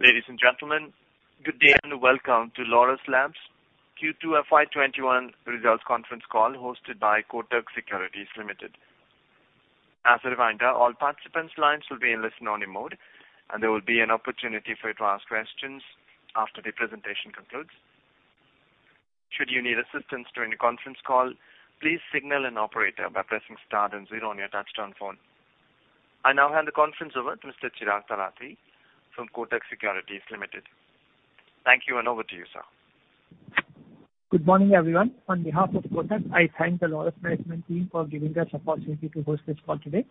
Ladies and gentlemen, good day, and welcome to Laurus Labs' Q2 FY 2021 Results Conference Call hosted by Kotak Securities Limited. As a reminder, all participants' lines will be in listen-only mode, and there will be an opportunity for you to ask questions after the presentation concludes. Should you need assistance during the conference call, please signal an operator by pressing star and zero on your touch-tone phone. I now hand the conference over to Mr. Chirag Talati from Kotak Securities Limited. Thank you, and over to you, sir. Good morning, everyone. On behalf of Kotak Securities, I thank the Laurus management team for giving us the opportunity to host this call today.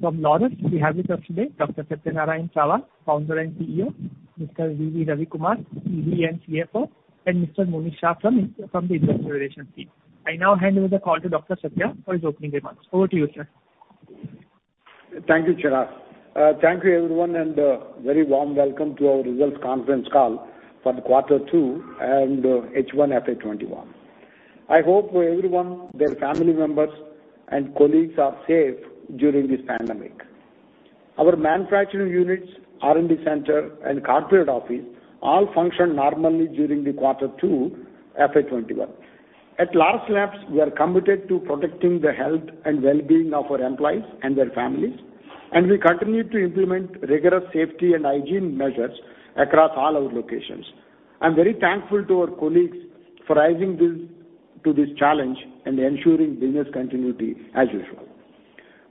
From Laurus, we have with us today Dr. Satyanarayana Chava, Founder and CEO; Mr. V. V. Ravi Kumar, ED and CFO; and Mr. Monish Shah from the investor relations team. I now hand over the call to Dr. Satyanarayana for his opening remarks. Over to you, sir. Thank you, Chirag. Thank you, everyone, a very warm welcome to our results conference call for the quarter two and H1 FY 2021. I hope everyone, their family members, and colleagues are safe during this pandemic. Our manufacturing units, R&D center, and corporate office all functioned normally during the quarter two FY 2021. At Laurus Labs, we are committed to protecting the health and well-being of our employees and their families, and we continue to implement rigorous safety and hygiene measures across all our locations. I'm very thankful to our colleagues for rising to this challenge and ensuring business continuity as usual.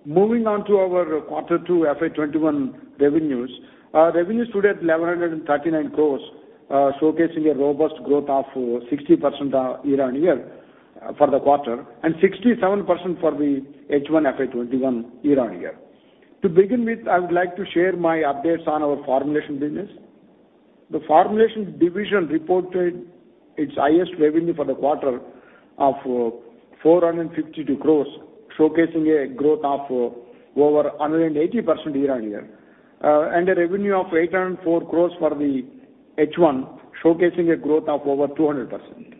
Moving on to our quarter two FY 2021 revenues. Our revenues stood at 1,139 crores, showcasing a robust growth of 60% year-on-year for the quarter, and 67% for the H1 FY 2021 year-on-year. To begin with, I would like to share my updates on our formulation business. The formulation division reported its highest revenue for the quarter of 452 crores, showcasing a growth of over 180% year-over-year, and a revenue of 804 crores for the H1, showcasing a growth of over 200%.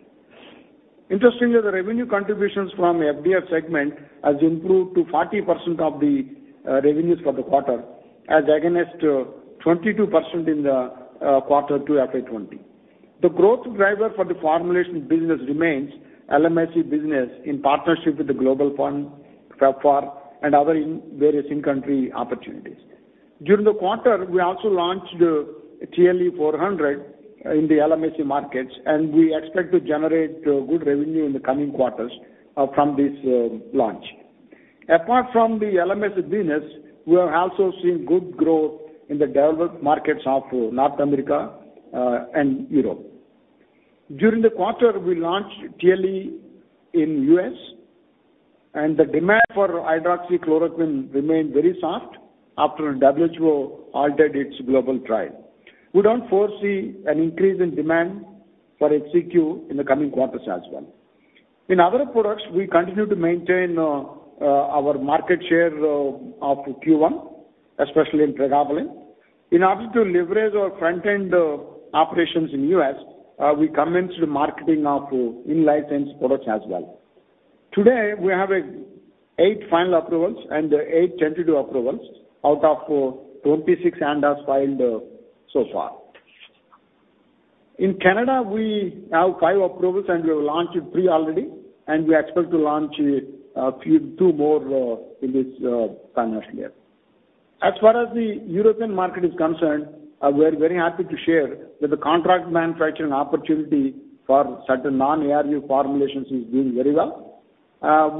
Interestingly, the revenue contributions from FDF segment has improved to 40% of the revenues for the quarter as against 22% in the quarter two FY 2020. The growth driver for the formulation business remains LMIC business in partnership with the Global Fund, PEPFAR, and other various in-country opportunities. During the quarter, we also launched TLE-400 in the LMIC markets, we expect to generate good revenue in the coming quarters from this launch. Apart from the LMIC business, we are also seeing good growth in the developed markets of North America and Europe. During the quarter, we launched TLE in U.S.. The demand for hydroxychloroquine remained very soft after WHO altered its global trial. We don't foresee an increase in demand for HCQ in the coming quarters as well. In other products, we continue to maintain our market share of Q1, especially in pregabalin. In order to leverage our front-end operations in U.S., we commenced the marketing of in-licensed products as well. Today, we have eight final approvals and eight tentative approvals out of 26 ANDAs filed so far. In Canada, we have five approvals, and we have launched three already, and we expect to launch two more in this financial year. As far as the European market is concerned, we're very happy to share that the contract manufacturing opportunity for certain non-ARV formulations is doing very well.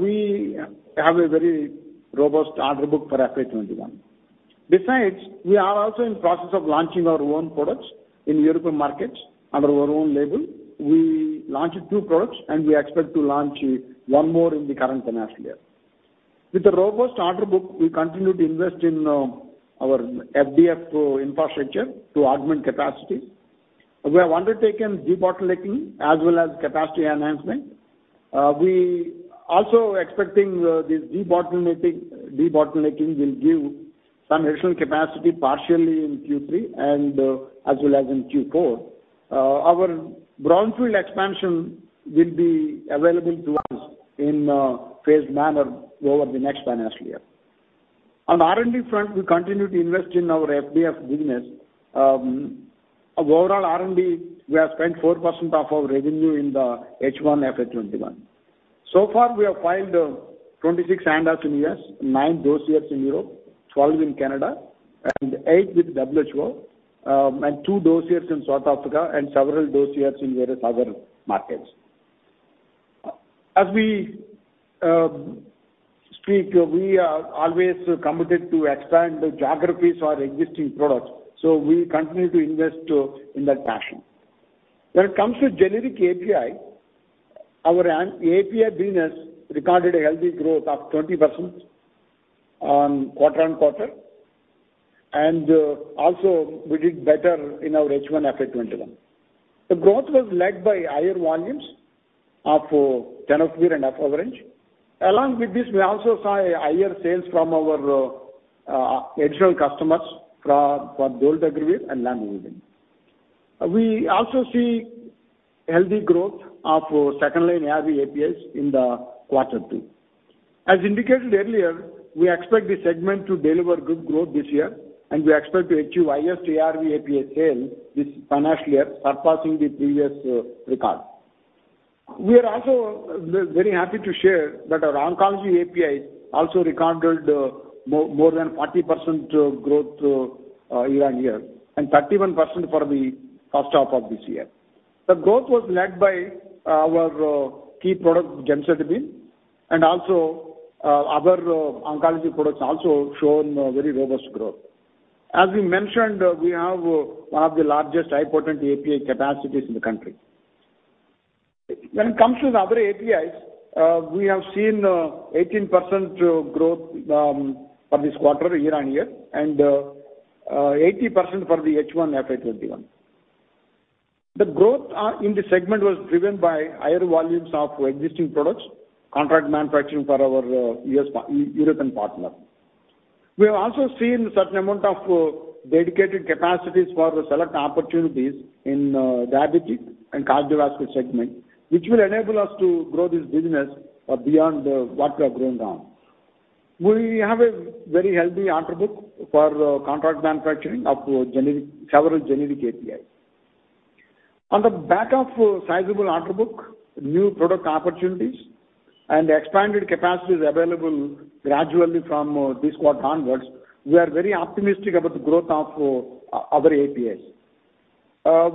We have a very robust order book for FY 2021. Besides, we are also in process of launching our own products in European markets under our own label. We launched two products, and we expect to launch one more in the current financial year. With a robust order book, we continue to invest in our FDF infrastructure to augment capacity. We have undertaken debottlenecking as well as capacity enhancement. We also expecting this debottlenecking will give some additional capacity partially in Q3 and as well as in Q4. Our brownfield expansion will be available to us in a phased manner over the next financial year. On the R&D front, we continue to invest in our FDF business. Overall R&D, we have spent 4% of our revenue in the H1 FY 2021. Far, we have filed 26 ANDAs in U.S., nine dossiers in Europe, 12 in Canada, and eight with WHO, and two dossiers in South Africa, and several dossiers in various other markets. As we speak, we are always committed to expand the geographies for our existing products, we continue to invest in that fashion. When it comes to generic API, our API business recorded a healthy growth of 20% quarter-on-quarter, also we did better in our H1 FY 2021. The growth was led by higher volumes of tenofovir and efavirenz. Along with this, we also saw higher sales from our additional customers for dolutegravir and lamivudine. We also see healthy growth of second line ARV APIs in the quarter two. As indicated earlier, we expect this segment to deliver good growth this year, and we expect to achieve highest ARV API sale this financial year, surpassing the previous record. We are also very happy to share that our oncology API also recorded more than 40% growth year-on-year, and 31% for the first half of this year. The growth was led by our key product, gemcitabine, and also our other oncology products also shown very robust growth. As we mentioned, we have one of the largest high potent API capacities in the country. When it comes to the other APIs, we have seen 18% growth for this quarter, year-on-year, and 18% for the H1 FY 2021. The growth in this segment was driven by higher volumes of existing products, contract manufacturing for our European partner. We have also seen certain amount of dedicated capacities for select opportunities in diabetic and cardiovascular segment, which will enable us to grow this business beyond what we have grown now. We have a very healthy order book for contract manufacturing of several generic APIs. On the back of sizable order book, new product opportunities, and expanded capacities available gradually from this quarter onwards, we are very optimistic about the growth of other APIs.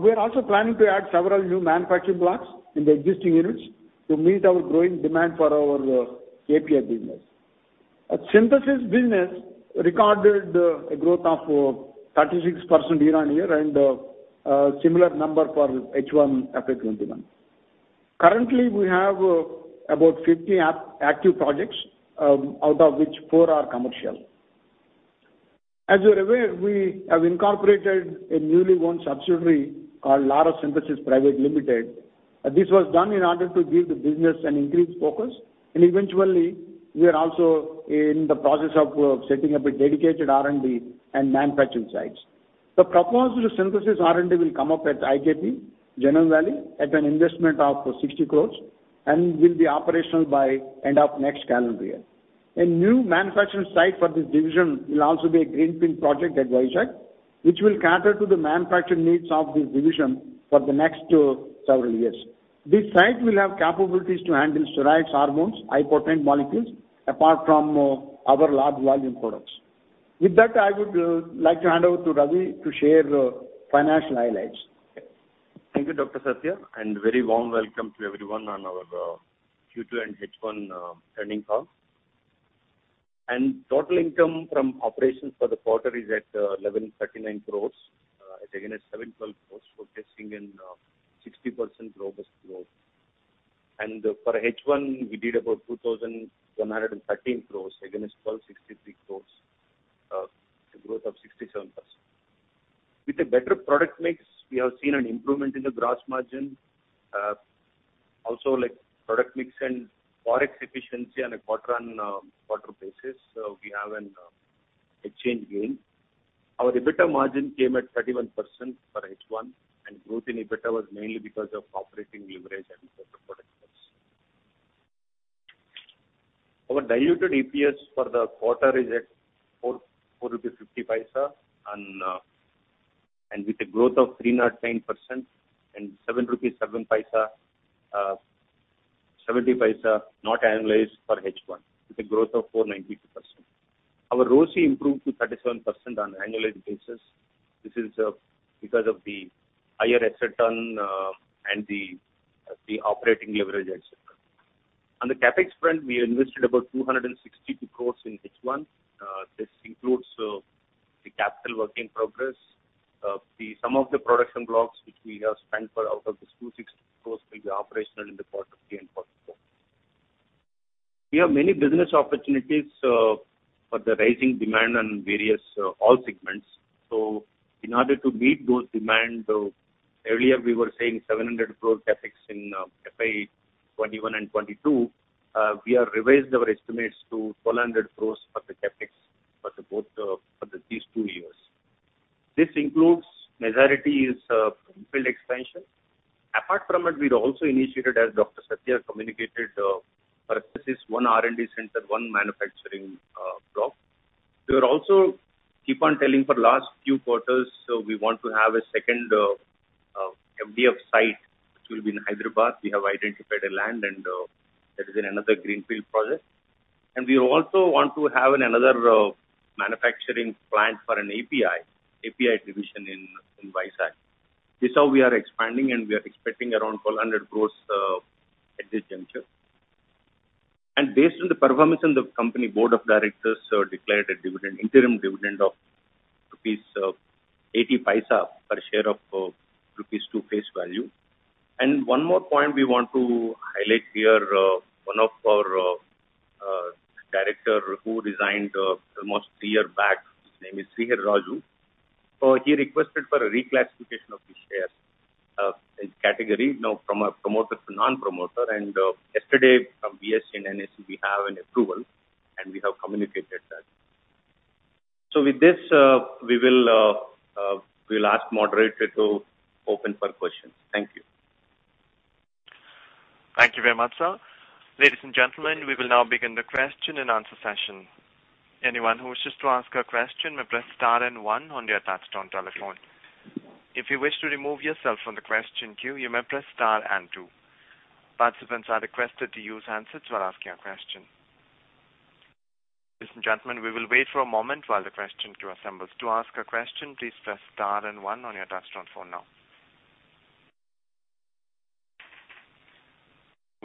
We are also planning to add several new manufacturing blocks in the existing units to meet our growing demand for our API business. Synthesis business recorded a growth of 36% year-on-year, and similar number for H1 FY 2021. Currently, we have about 50 active projects, out of which four are commercial. As you're aware, we have incorporated a newly owned subsidiary called Laurus Synthesis Private Limited. This was done in order to give the business an increased focus, eventually we are also in the process of setting up a dedicated R&D and manufacturing sites. The proposed synthesis R&D will come up at IKP Knowledge Park, Genome Valley, at an investment of 60 crore, will be operational by end of next calendar year. A new manufacturing site for this division will also be a greenfield project at Vizag, which will cater to the manufacturing needs of this division for the next several years. This site will have capabilities to handle steroids, hormones, high potent molecules, apart from our large volume products. With that, I would like to hand over to Ravi to share financial highlights. Thank you, Dr. Satya, very warm welcome to everyone on our Q2 and H1 earnings call. Total income from operations for the quarter is at 1,139 crore, against 712 crore, showcasing an 60% robust growth. For H1, we did about 2,113 crore against 1,263 crore. It's a growth of 67%. With a better product mix, we have seen an improvement in the gross margin. Also, like product mix and Forex efficiency on a quarter-on-quarter basis, we have an exchange gain. Our EBITDA margin came at 31% for H1, and growth in EBITDA was mainly because of operating leverage and better product mix. Our diluted EPS for the quarter is at INR 4.50, and with a growth of 309%, and 7.70 rupees, not annualized for H1, with a growth of 492%. Our ROCE improved to 37% on annualized basis. This is because of the higher asset turn and the operating leverage, et cetera. On the CapEx front, we invested about 262 crores in H1. This includes the capital work in progress. Some of the production blocks which we have spent for out of this 260 crores will be operational in the quarter three and quarter four. We have many business opportunities for the rising demand on various all segments. In order to meet those demands, earlier we were saying 700 crore CapEx in FY 2021 and 2022. We have revised our estimates to 1,200 crores for the CapEx for these two years. This includes majority is greenfield expansion. Apart from it, we'd also initiated, as Dr. Satyanarayana communicated, for synthesis, one R&D center, one manufacturing block. We would also keep on telling for last few quarters, we want to have a second FDF site, which will be in Hyderabad. We have identified a land, that is another greenfield project. We also want to have another manufacturing plant for an API division in Vizag. This is how we are expanding, we are expecting around 1,200 crore at this juncture. Based on the performance in the company, board of directors declared a interim dividend of 0.80 per share of rupees 2 face value. One more point we want to highlight here, one of our director who resigned almost three year back, his name is Srihari Raju. He requested for a reclassification of his shares category now from a promoter to non-promoter, yesterday from BSE and NSE, we have an approval, and we have communicated that With this, we will ask moderator to open for questions. Thank you. Thank you very much, sir.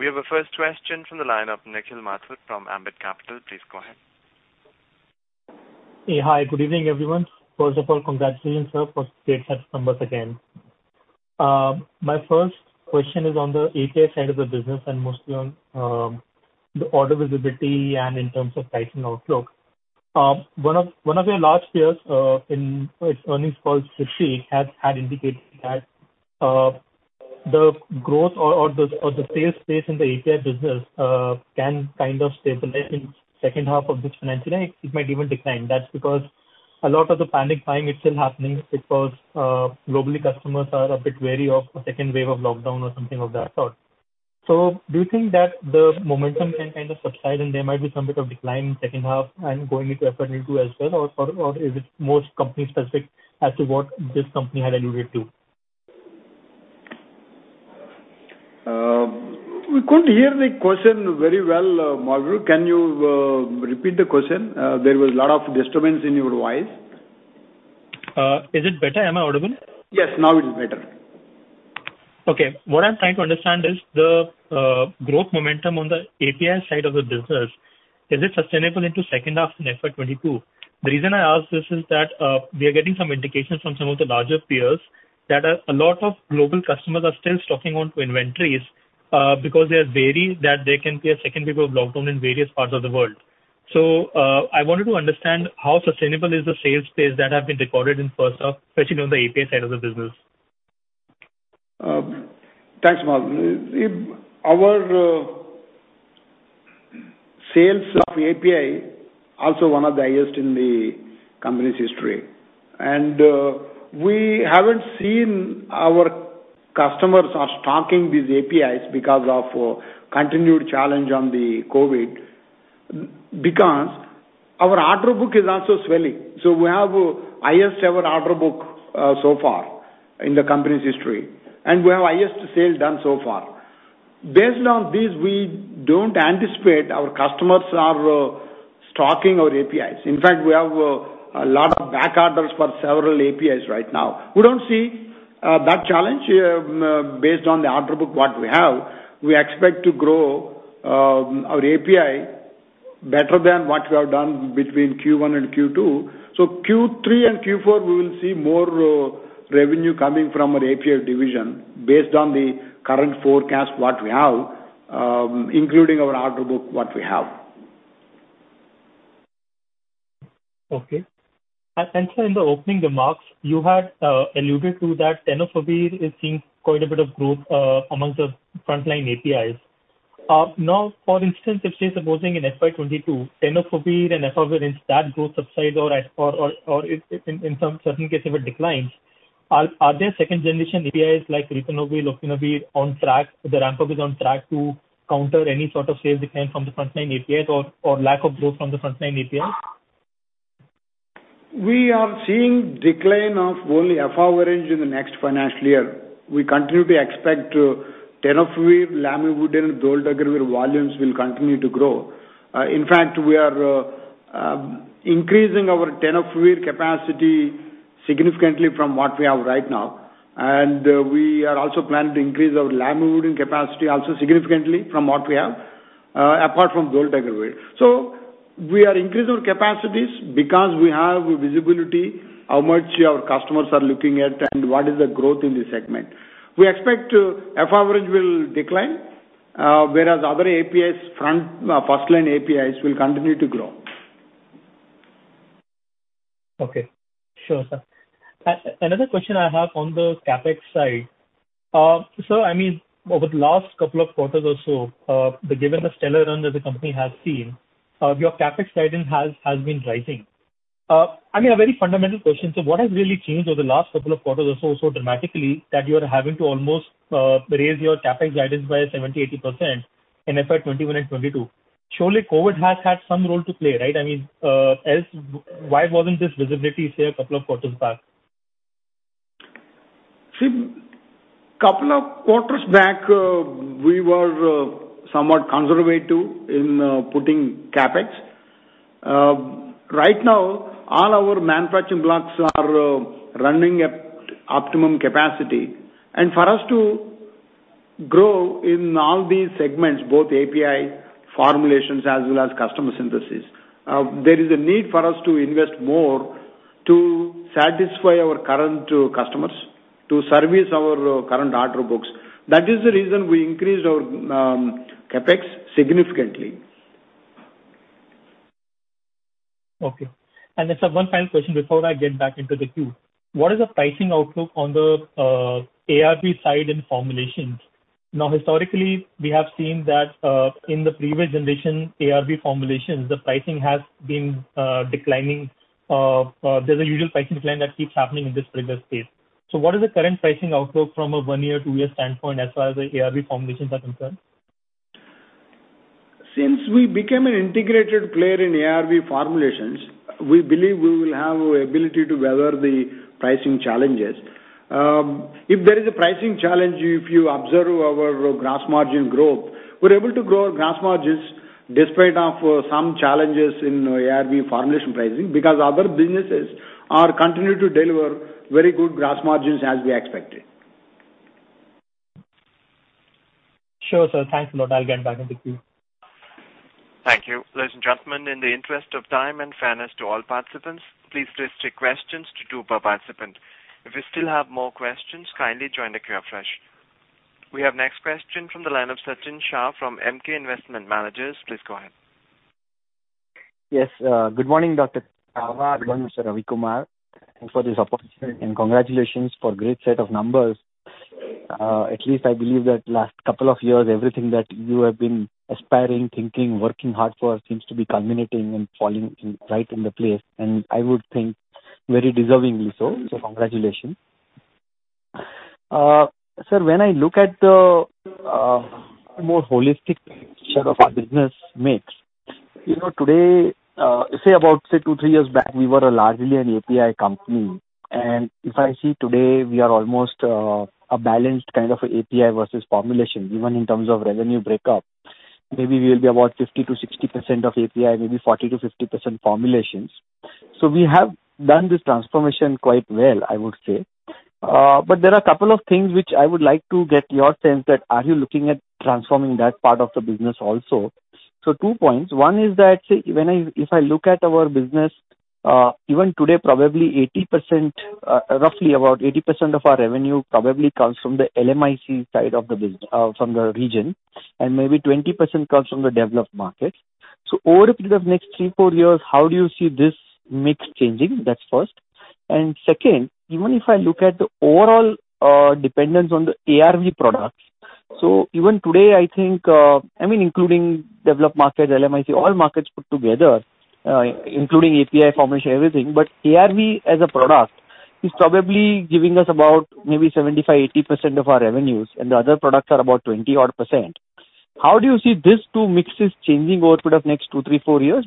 We have our first question from the line of Nikhil Mathur from Ambit Capital. Please go ahead. Hi, good evening, everyone. First of all, congratulations, sir, for great numbers again. My first question is on the API side of the business and mostly on the order visibility and in terms of pricing outlook. One of your large peers in its earnings call, is to see as added as the growth or the pace in the API business can kind of stabilize in the second half of fiscal 2022. It might even decline, that's because a lot of the panic buying is still happening because globally customers are a bit wary of the second wave of the lockdown or something of that sort. So do you think that the momentum can kind of sustain and there might be some bit of decline setting off and going with the market elsewhere or is it more company specifics as to what this company has alluded to? We couldn't hear the question very well, Mathur. Can you repeat the question? There was a lot of disturbance in your voice. Is it better? Am I audible? Yes, now it is better. What I am trying to understand is the growth momentum on the API side of the business, is it sustainable into second half and FY 2022? The reason I ask this is that we are getting some indications from some of the larger peers that a lot of global customers are still stocking onto inventories, because they are wary that there can be a second wave of lockdown in various parts of the world. I wanted to understand how sustainable is the sales pace that have been recorded in first half, especially on the API side of the business. Thanks, Mathur. Our sales of API, also one of the highest in the company's history. We haven't seen our customers are stocking these APIs because of continued challenge on the COVID, because our order book is also swelling. We have highest ever order book so far in the company's history, and we have highest sale done so far. Based on this, we don't anticipate our customers are stocking our APIs. In fact, we have a lot of back orders for several APIs right now. We don't see that challenge based on the order book, what we have. We expect to grow our API better than what we have done between Q1 and Q2. Q3 and Q4, we will see more revenue coming from our API division based on the current forecast, what we have, including our order book, what we have. Okay. Sir, in the opening remarks, you had alluded to that tenofovir is seeing quite a bit of growth amongst the frontline APIs. For instance, if, say, supposing in FY 2022, tenofovir and efavirenz, that growth subsides or in some certain cases, it declines, are there second-generation APIs like ritonavir, lopinavir on track, the ramp-up is on track to counter any sort of sales decline from the frontline APIs or lack of growth from the frontline APIs? We are seeing decline of only efavirenz in the next financial year. We continue to expect tenofovir, lamivudine, dolutegravir volumes will continue to grow. In fact, we are increasing our tenofovir capacity significantly from what we have right now. We are also planning to increase our lamivudine capacity also significantly from what we have, apart from dolutegravir. We are increasing our capacities because we have visibility, how much our customers are looking at, and what is the growth in the segment. We expect efavirenz will decline, whereas other APIs, first-line APIs, will continue to grow. Okay. Sure, sir. Another question I have on the CapEx side. Sir, over the last couple of quarters or so, given the stellar run that the company has seen, your CapEx guidance has been rising. A very fundamental question. What has really changed over the last couple of quarters or so dramatically that you are having to almost raise your CapEx guidance by 70%, 80% in FY 2021 and 2022? Surely COVID has had some role to play, right? Else, why wasn't this visibility, say, a couple of quarters back? Couple of quarters back, we were somewhat conservative in putting CapEx. Right now, all our manufacturing blocks are running at optimum capacity. For us to grow in all these segments, both API formulations as well as customer synthesis, there is a need for us to invest more to satisfy our current customers to service our current order books. That is the reason we increased our CapEx significantly. Okay. Then, sir, one final question before I get back into the queue. What is the pricing outlook on the ARV side in formulations? Historically, we have seen that in the previous generation ARV formulations, the pricing has been declining. There's a usual pricing decline that keeps happening in this previous phase. What is the current pricing outlook from a one-year, two-year standpoint as far as the ARV formulations are concerned? Since we became an integrated player in ARV formulations, we believe we will have the ability to weather the pricing challenges. If there is a pricing challenge, if you observe our gross margin growth, we're able to grow our gross margins despite some challenges in ARV formulation pricing because other businesses are continuing to deliver very good gross margins as we expected. Sure, sir. Thanks a lot. I'll get back in the queue. Thank you. Ladies and gentlemen, in the interest of time and fairness to all participants, please restrict questions to two per participant. If you still have more questions, kindly join the queue afresh. We have next question from the line of Sachin Shah from Emkay Investment Managers. Please go ahead. Yes. Good morning, Dr. Chava. Good morning, Mr. Ravi Kumar. Thanks for this opportunity and congratulations for great set of numbers. At least I believe that last couple of years, everything that you have been aspiring, thinking, working hard for seems to be culminating and falling right in the place, and I would think very deservingly so. Congratulations. Sir, when I look at the more holistic share of our business mix, today, say about two, three years back, we were largely an API company. If I see today, we are almost a balanced kind of API versus formulation, even in terms of revenue breakup. Maybe we will be about 50%-60% of API, maybe 40%-50% formulations. We have done this transformation quite well, I would say. There are a couple of things which I would like to get your sense that are you looking at transforming that part of the business also? Two points. One is that, say, if I look at our business, even today, roughly about 80% of our revenue probably comes from the LMIC side of the region, and maybe 20% comes from the developed market. Over the next three, four years, how do you see this mix changing? That's first. Second, even if I look at the overall dependence on the ARV products, even today, I think, including developed market, LMIC, all markets put together, including API, formulation, everything, ARV as a product is probably giving us about maybe 75%, 80% of our revenues, and the other products are about 20-odd percent. How do you see these two mixes changing over the next two, three, four years?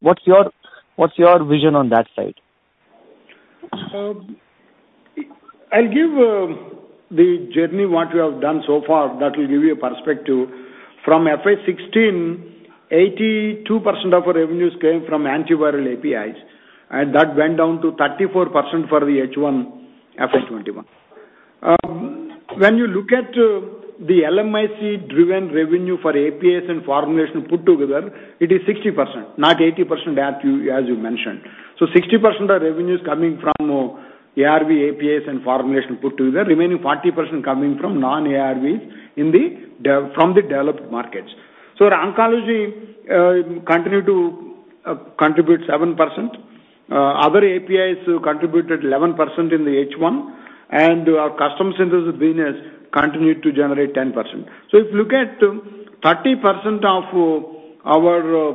What's your vision on that side? I'll give the journey what we have done so far that will give you a perspective. From FY 2016, 82% of our revenues came from antiviral APIs, and that went down to 34% for the H1 FY 2021. When you look at the LMIC-driven revenue for APIs and formulation put together, it is 60%, not 80% as you mentioned. 60% of revenues coming from ARV, APIs, and formulation put together, remaining 40% coming from non-ARVs from the developed markets. Oncology continue to contribute 7%. Other APIs contributed 11% in the H1, and our custom synthesis business continued to generate 10%. If you look at 30% of our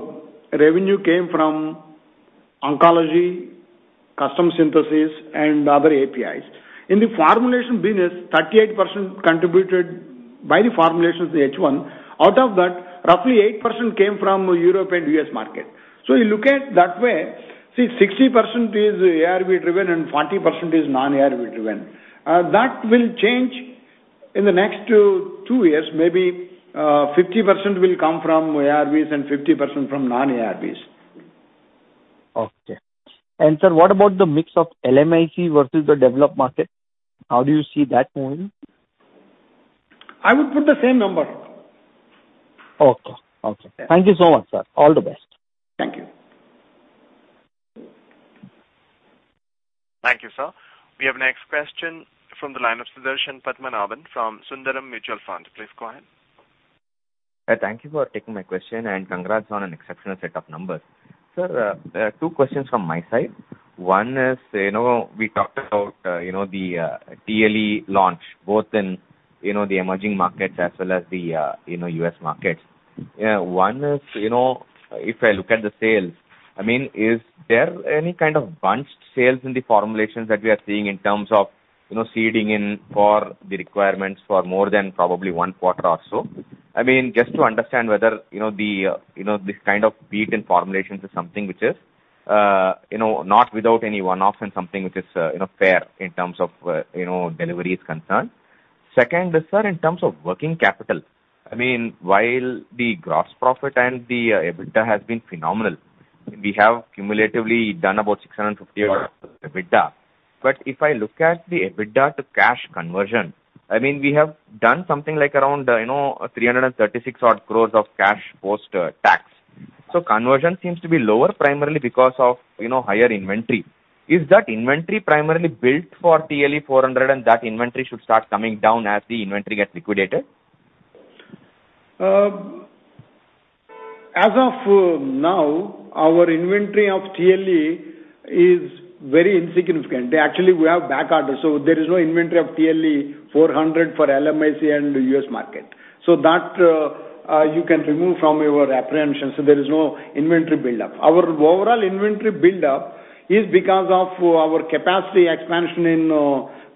revenue came from oncology, custom synthesis, and other APIs. In the formulation business, 38% contributed by the formulations H1. Out of that, roughly 8% came from Europe and U.S. market. You look at that way, 60% is ARV driven and 40% is non-ARV driven. That will change in the next two years. Maybe 50% will come from ARVs and 50% from non-ARVs. Okay. Sir, what about the mix of LMIC versus the developed market? How do you see that moving? I would put the same number. Okay. Thank you so much, sir. All the best. Thank you. Thank you, sir. We have next question from the line of Sudarshan Padmanabhan from Sundaram Mutual Fund. Please go ahead. Thank you for taking my question, and congrats on an exceptional set of numbers. Sir, there are two questions from my side. One is, we talked about the TLE launch, both in the emerging markets as well as the U.S. markets. One is, if I look at the sales, is there any kind of bunched sales in the formulations that we are seeing in terms of seeding in for the requirements for more than probably one quarter or so? Just to understand whether this kind of beat in formulations is something which is not without any one-offs and something which is fair in terms of where delivery is concerned. Second is, sir, in terms of working capital, while the gross profit and the EBITDA has been phenomenal, we have cumulatively done about 650 odd EBITDA. If I look at the EBITDA to cash conversion, we have done something like around 336 odd crores of cash post-tax. Conversion seems to be lower primarily because of higher inventory. Is that inventory primarily built for TLE 400 and that inventory should start coming down as the inventory gets liquidated? As of now, our inventory of TLE is very insignificant. Actually, we have back orders, there is no inventory of TLE-400 for LMIC and the U.S. market. That you can remove from your apprehension. There is no inventory buildup. Our overall inventory buildup is because of our capacity expansion in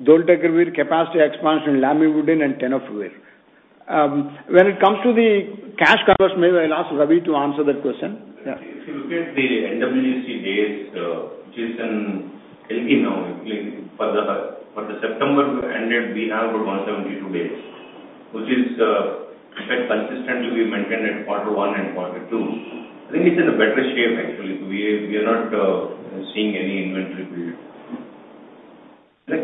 dolutegravir, capacity expansion in lamivudine, and tenofovir. When it comes to the cash covers, maybe I'll ask Ravi to answer that question. Yeah. If you look at the NWC days, which is in healthy now, for the September we ended, we have around 72 days. Which is, in fact, consistently we maintained at quarter one and quarter two. I think it's in a better shape, actually. We are not seeing any inventory build.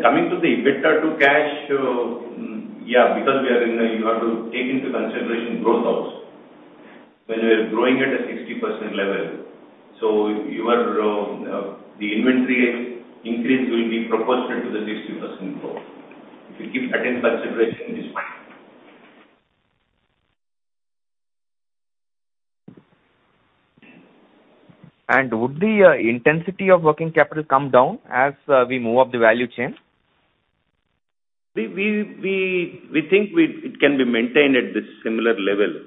Coming to the EBITDA to cash, because you have to take into consideration growth also. When we are growing at a 60% level, the inventory increase will be proportionate to the 60% growth. If you keep that in consideration, it is fine. Would the intensity of working capital come down as we move up the value chain? We think it can be maintained at this similar level.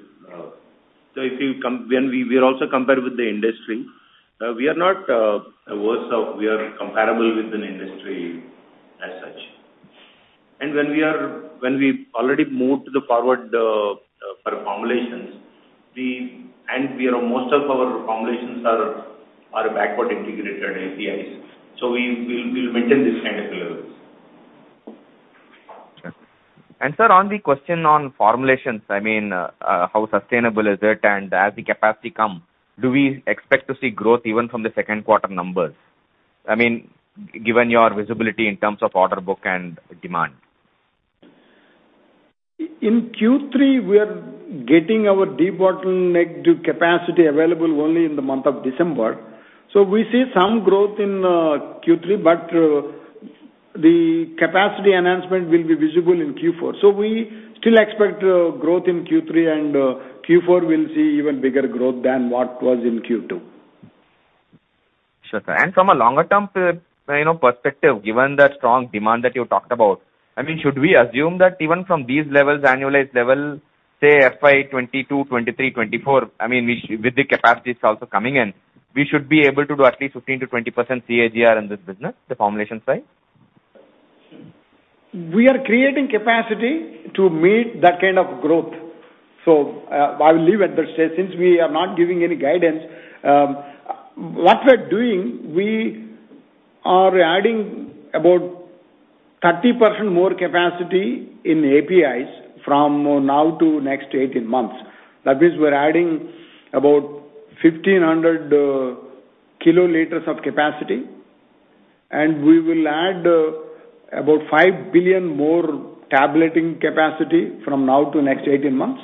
We are also compared with the industry. We are not worse off. We are comparable with an industry as such. When we already moved to the forward for formulations, and most of our formulations are backward integrated APIs. We'll maintain this kind of levels. Okay. Sir, on the question on formulations, how sustainable is it? As the capacity come, do we expect to see growth even from the second quarter numbers? Given your visibility in terms of order book and demand. In Q3, we are getting our debottlenecked capacity available only in the month of December. We see some growth in Q3, but the capacity enhancement will be visible in Q4. We still expect growth in Q3, and Q4 we'll see even bigger growth than what was in Q2. Sure, sir. From a longer term perspective, given that strong demand that you talked about, should we assume that even from these annualized levels, say FY 2022, 2023, 2024, with the capacities also coming in, we should be able to do at least 15%-20% CAGR in this business, the formulation side? We are creating capacity to meet that kind of growth. I will leave at that stage since we are not giving any guidance. What we're doing, we are adding about 30% more capacity in APIs from now to next 18 months. That means we're adding about 1,500 kl of capacity, and we will add about five billion more tableting capacity from now to next 18 months.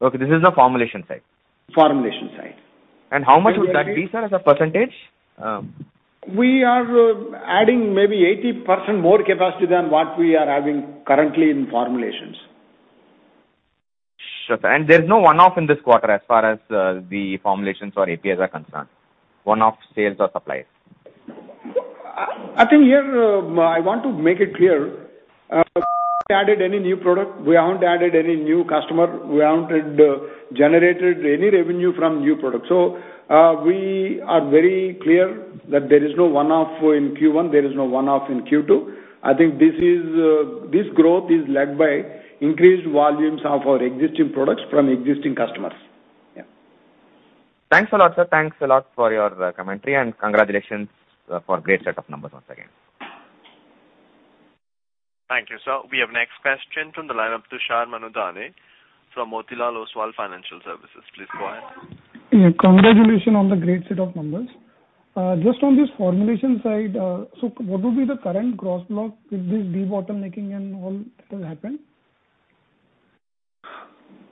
Okay, this is the formulation side. Formulation side. How much would that be, sir, as a percentage? We are adding maybe 80% more capacity than what we are having currently in formulations. Sure, sir. There's no one-off in this quarter as far as the formulations or APIs are concerned, one-off sales or supplies. I think here, I want to make it clear, added any new product. We haven't added any new customer. We haven't generated any revenue from new products. We are very clear that there is no one-off in Q1, there is no one-off in Q2. I think this growth is led by increased volumes of our existing products from existing customers. Yeah. Thanks a lot, sir. Thanks a lot for your commentary. Congratulations for great set of numbers once again. Thank you, sir. We have next question from the line of Tushar Manudhane from Motilal Oswal Financial Services. Please go ahead. Yeah, congratulations on the great set of numbers. Just on this formulation side, what would be the current gross block with this debottlenecking and all that has happened?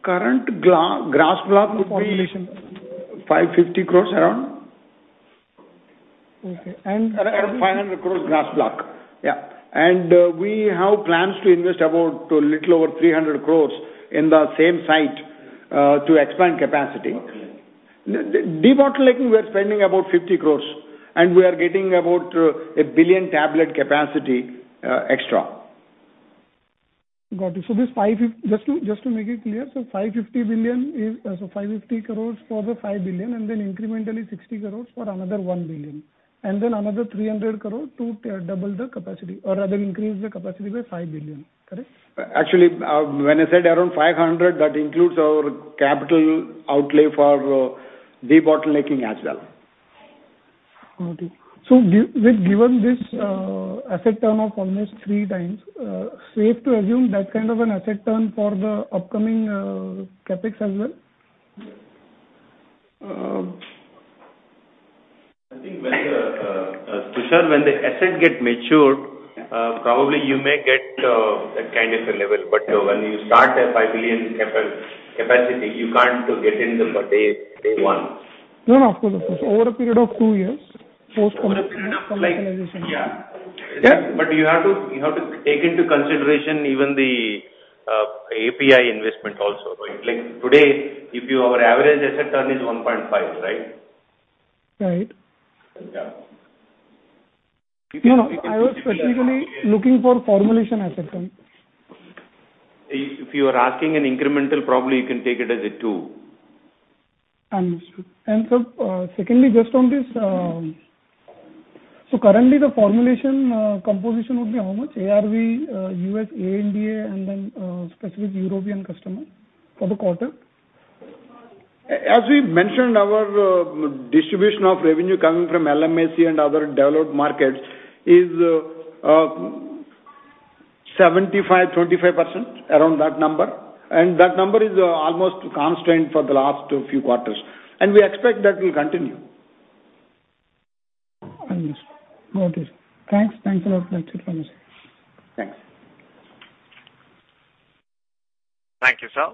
Current gross block would be. In formulation INR 550 crores around. Okay. Around INR 500 crores gross block. Yeah. We have plans to invest about a little over 300 crores in the same site, to expand capacity. Okay. Debottlenecking, we are spending about 50 crores, and we are getting about 1 billion tablet capacity extra. Got it. Just to make it clear, 550 crore for the five billion, and then incrementally 60 crore for another one billion, and then another 300 crore to double the capacity or rather increase the capacity by five billion. Correct? Actually, when I said around 500, that includes our capital outlay for debottlenecking as well. Got it. Given this asset turn of almost 3x, safe to assume that kind of an asset turn for the upcoming CapEx as well? I think, Tushar, when the assets get matured, probably you may get that kind of a level. When you start a five billion capacity, you can't get into day one. No, of course. Over a period of two years Over a period of like Yeah. Yeah. You have to take into consideration even the API investment also. Like today, our average asset turn is 1.5, right? Right. Yeah. No, I was specifically looking for formulation asset turn. If you are asking an incremental, probably you can take it as a two. Understood. Sir, secondly, just on this, currently the formulation composition would be how much? ARV, U.S. ANDA, and then specific European customer for the quarter? As we mentioned, our distribution of revenue coming from LMIC and other developed markets is 75%-25%, around that number. That number is almost constant for the last few quarters, and we expect that will continue. Understood. Got it. Thanks. Thanks a lot. That's it from me, sir. Thanks. Thank you, sir.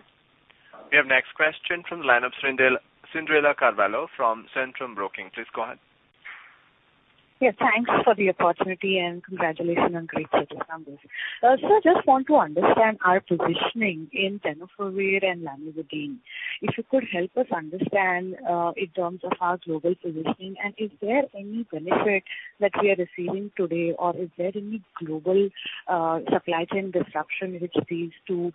We have next question from the line of Srindal Carvallo from Centrum Broking. Please go ahead. Yeah, thanks for the opportunity and congratulations on great set of numbers. Sir, just want to understand our positioning in tenofovir and lamivudine. If you could help us understand, in terms of our global positioning, and is there any benefit that we are receiving today, or is there any global supply chain disruption which these two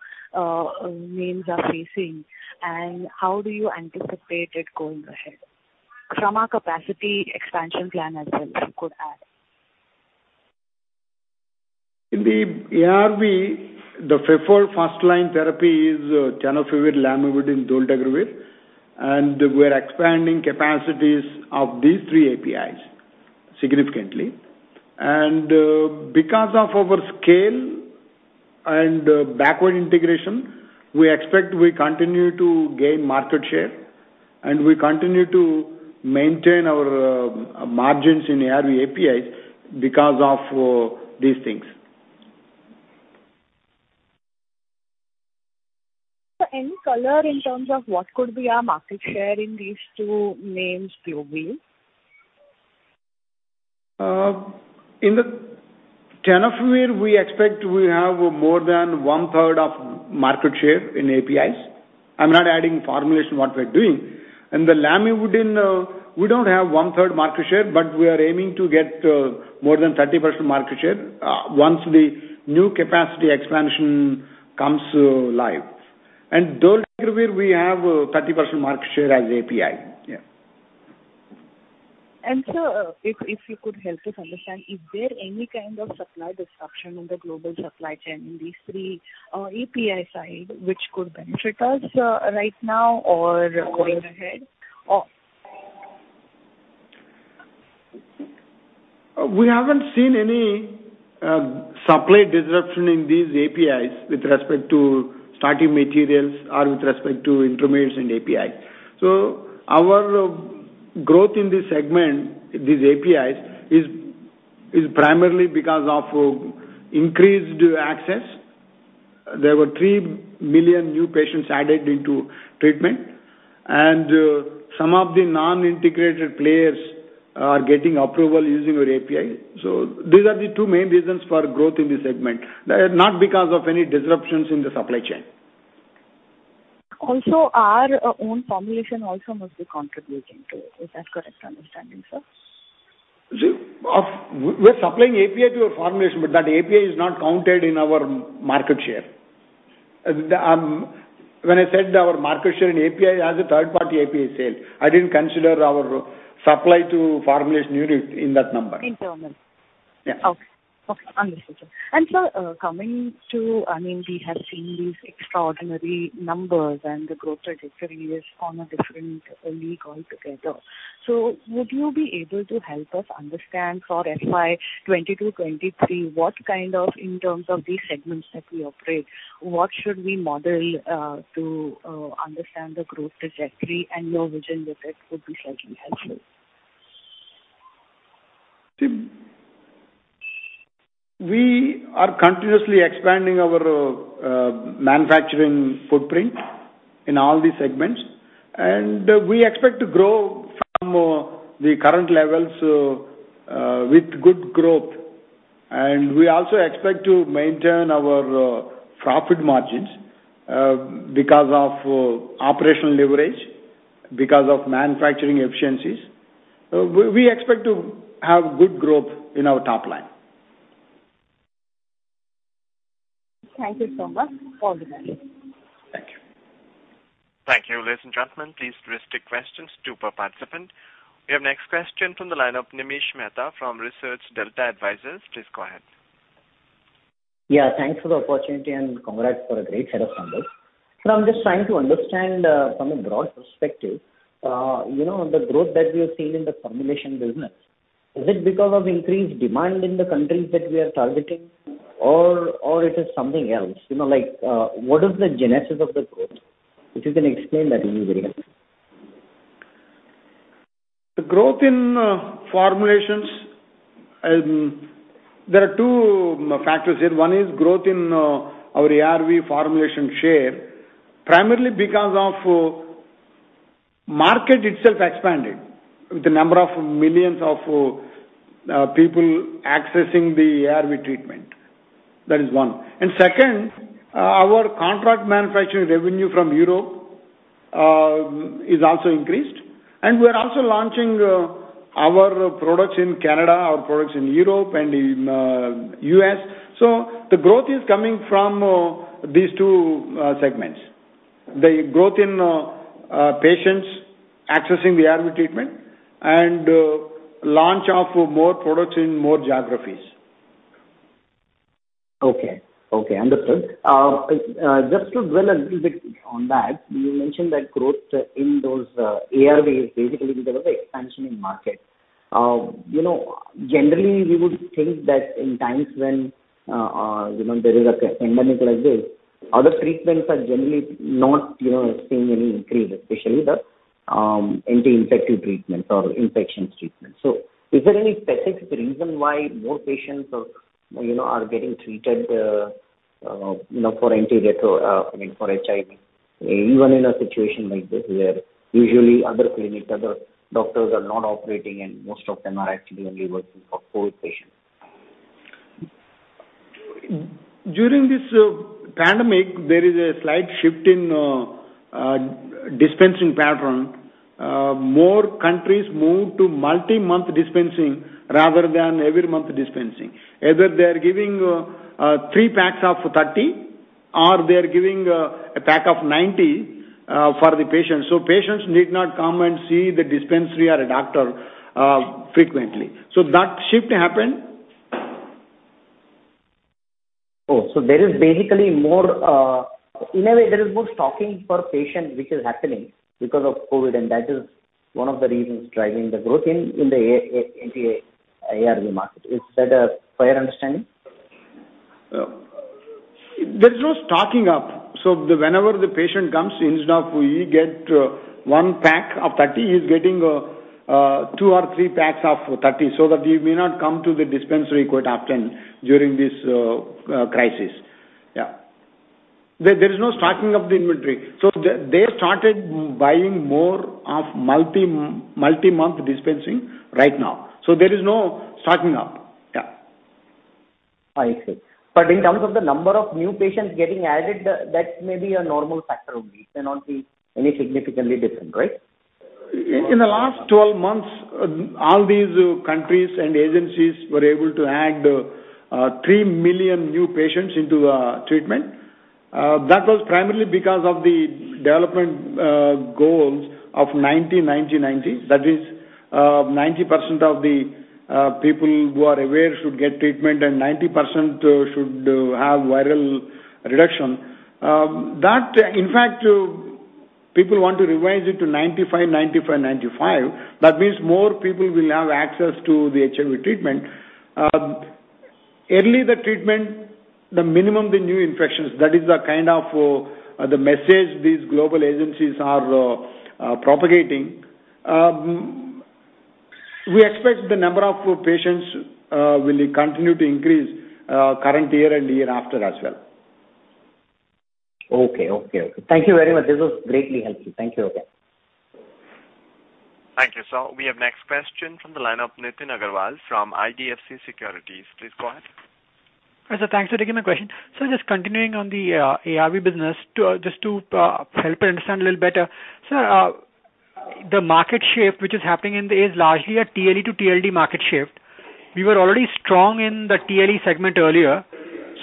names are facing, and how do you anticipate it going ahead? Same capacity expansion plan as well, if you could add. In the ARV, the preferred first-line therapy is tenofovir, lamivudine, dolutegravir, we're expanding capacities of these three APIs significantly. Because of our scale and backward integration, we expect we continue to gain market share, and we continue to maintain our margins in ARV APIs because of these things. Sir, any color in terms of what could be our market share in these two names globally? In the tenofovir, we expect we have more than 1/3 of market share in APIs. I'm not adding formulation, what we're doing. In the lamivudine, we don't have 1/3 market share, but we are aiming to get more than 30% market share once the new capacity expansion comes live. Dolutegravir we have 30% market share as API. Yeah. Sir, if you could help us understand, is there any kind of supply disruption in the global supply chain in these three API side which could benefit us right now or going ahead? We haven't seen any supply disruption in these APIs with respect to starting materials or with respect to intermediates and API. Our growth in this segment, these APIs, is primarily because of increased access. There were three million new patients added into treatment, and some of the non-integrated players are getting approval using our API. These are the two main reasons for growth in this segment, not because of any disruptions in the supply chain. Also, our own formulation also must be contributing to it. Is that correct understanding, sir? See, we're supplying API to a formulation, but that API is not counted in our market share. When I said our market share in API has a third-party API sale, I didn't consider our supply to formulation units in that number. Internal. Yeah. Okay. Understood, sir. Sir, coming to, we have seen these extraordinary numbers, and the growth trajectory is on a different league altogether. Would you be able to help us understand for FY 2022/2023, what kind of, in terms of these segments that we operate, what should we model to understand the growth trajectory and your vision with it would be slightly helpful. We are continuously expanding our manufacturing footprint in all these segments, and we expect to grow from the current levels with good growth. We also expect to maintain our profit margins because of operational leverage, because of manufacturing efficiencies. We expect to have good growth in our top line. Thank you so much. All the best. Thank you. Thank you. Ladies and gentlemen, please restrict questions to one per participant. We have next question from the line of Nimish Mehta from Research Delta Advisors. Please go ahead. Yeah, thanks for the opportunity and congrats for a great set of numbers. Sir, I'm just trying to understand from a broad perspective, the growth that we have seen in the formulation business. Is it because of increased demand in the countries that we are targeting or it is something else? What is the genesis of the growth? If you can explain that, it will be very helpful. There are two factors here. One is growth in our ARV formulation share, primarily because of market itself expanding, with the number of millions of people accessing the ARV treatment. That is one. Second, our contract manufacturing revenue from Europe has also increased, and we're also launching our products in Canada, our products in Europe, and in U.S.. The growth is coming from these two segments, the growth in patients accessing the ARV treatment, and launch of more products in more geographies. Okay. Understood. Just to dwell a little bit on that, you mentioned that growth in those ARVs, basically because of the expansion in market. Generally, we would think that in times when there is a pandemic like this, other treatments are generally not seeing any increase, especially the anti-infective treatments or infections treatments. Is there any specific reason why more patients are getting treated for I mean, for HIV, even in a situation like this where usually other clinic, other doctors are not operating and most of them are actually only working for COVID patients? During this pandemic, there is a slight shift in dispensing pattern. More countries moved to multi-month dispensing rather than every month dispensing. Either they're giving three packs of 30, or they're giving a pack of 90 for the patient, so patients need not come and see the dispensary or a doctor frequently. That shift happened. Oh, there is basically In a way, there is more stocking for patient, which is happening because of COVID, and that is one of the reasons driving the growth in the ARV market. Is that a fair understanding? There's no stocking up. Whenever the patient comes, instead of he get one pack of 30, he's getting two or three packs of 30, so that he may not come to the dispensary quite often during this crisis. There is no stocking of the inventory. They started buying more of multi-month dispensing right now. There is no stocking up. I see. In terms of the number of new patients getting added, that may be a normal factor only. It cannot be any significantly different, right? In the last 12 months, all these countries and agencies were able to add three million new patients into treatment. That was primarily because of the development goals of 90-90-90. That is, 90% of the people who are aware should get treatment, and 90% should have viral reduction. That in fact, people want to revise it to 95-95-95. That means more people will have access to the HIV treatment. Early the treatment, the minimum the new infections. That is the kind of the message these global agencies are propagating. We expect the number of patients will continue to increase current year and year after as well. Okay. Thank you very much. This was greatly helpful. Thank you again. Thank you, sir. We have next question from the line of Nitin Agarwal from IDFC Securities. Please go ahead. Hi, sir. Thanks for taking my question. Sir, just continuing on the ARV business, just to help understand a little better. Sir, the market shift, which is happening is largely a TLE to TLD market shift. We were already strong in the TLE segment earlier.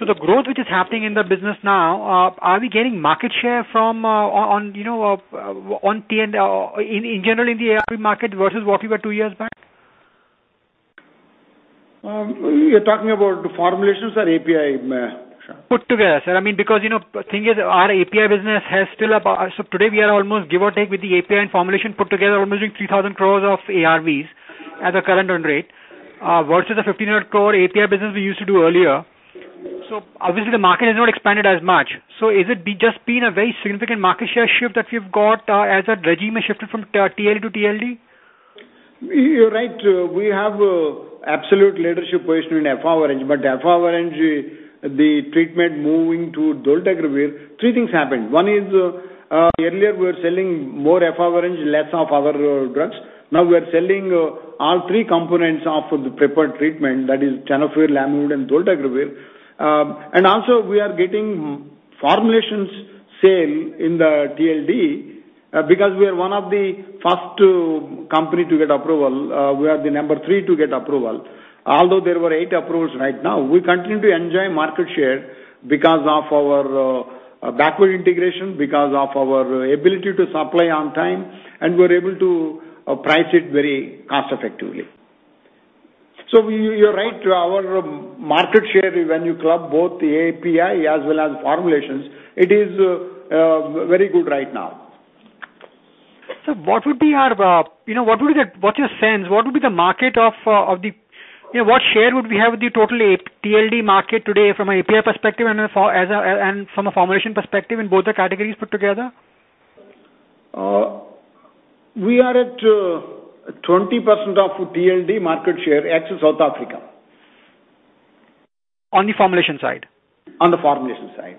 The growth which is happening in the business now, are we gaining market share in general in the ARV market versus what we were two years back? You're talking about formulations or API? Put together, sir. I mean, because thing is, our API business, today, we are almost, give or take, with the API and formulation put together, almost doing 3,000 crore of ARVs at the current run rate, versus the 1,500 crore API business we used to do earlier. Obviously the market has not expanded as much. Is it just been a very significant market share shift that we've got as that regime has shifted from TLE to TLD? You're right. We have absolute leadership position in efavirenz, the treatment moving to dolutegravir, three things happened. One is, earlier we were selling more efavirenz, less of other drugs. Now we are selling all three components of the prepared treatment. That is tenofovir, lamivudine, and dolutegravir. Also we are getting formulations sale in the TLD, because we are one of the first company to get approval. We are the number three to get approval. There were eight approvals right now, we continue to enjoy market share because of our backward integration, because of our ability to supply on time, and we're able to price it very cost-effectively. You're right. Our market share, when you club both the API as well as formulations, it is very good right now. Sir, what's your sense? What share would we have with the total TLD market today from an API perspective and from a formulation perspective in both the categories put together? We are at 20% of TLD market share, ex-South Africa. On the formulation side? On the formulation side.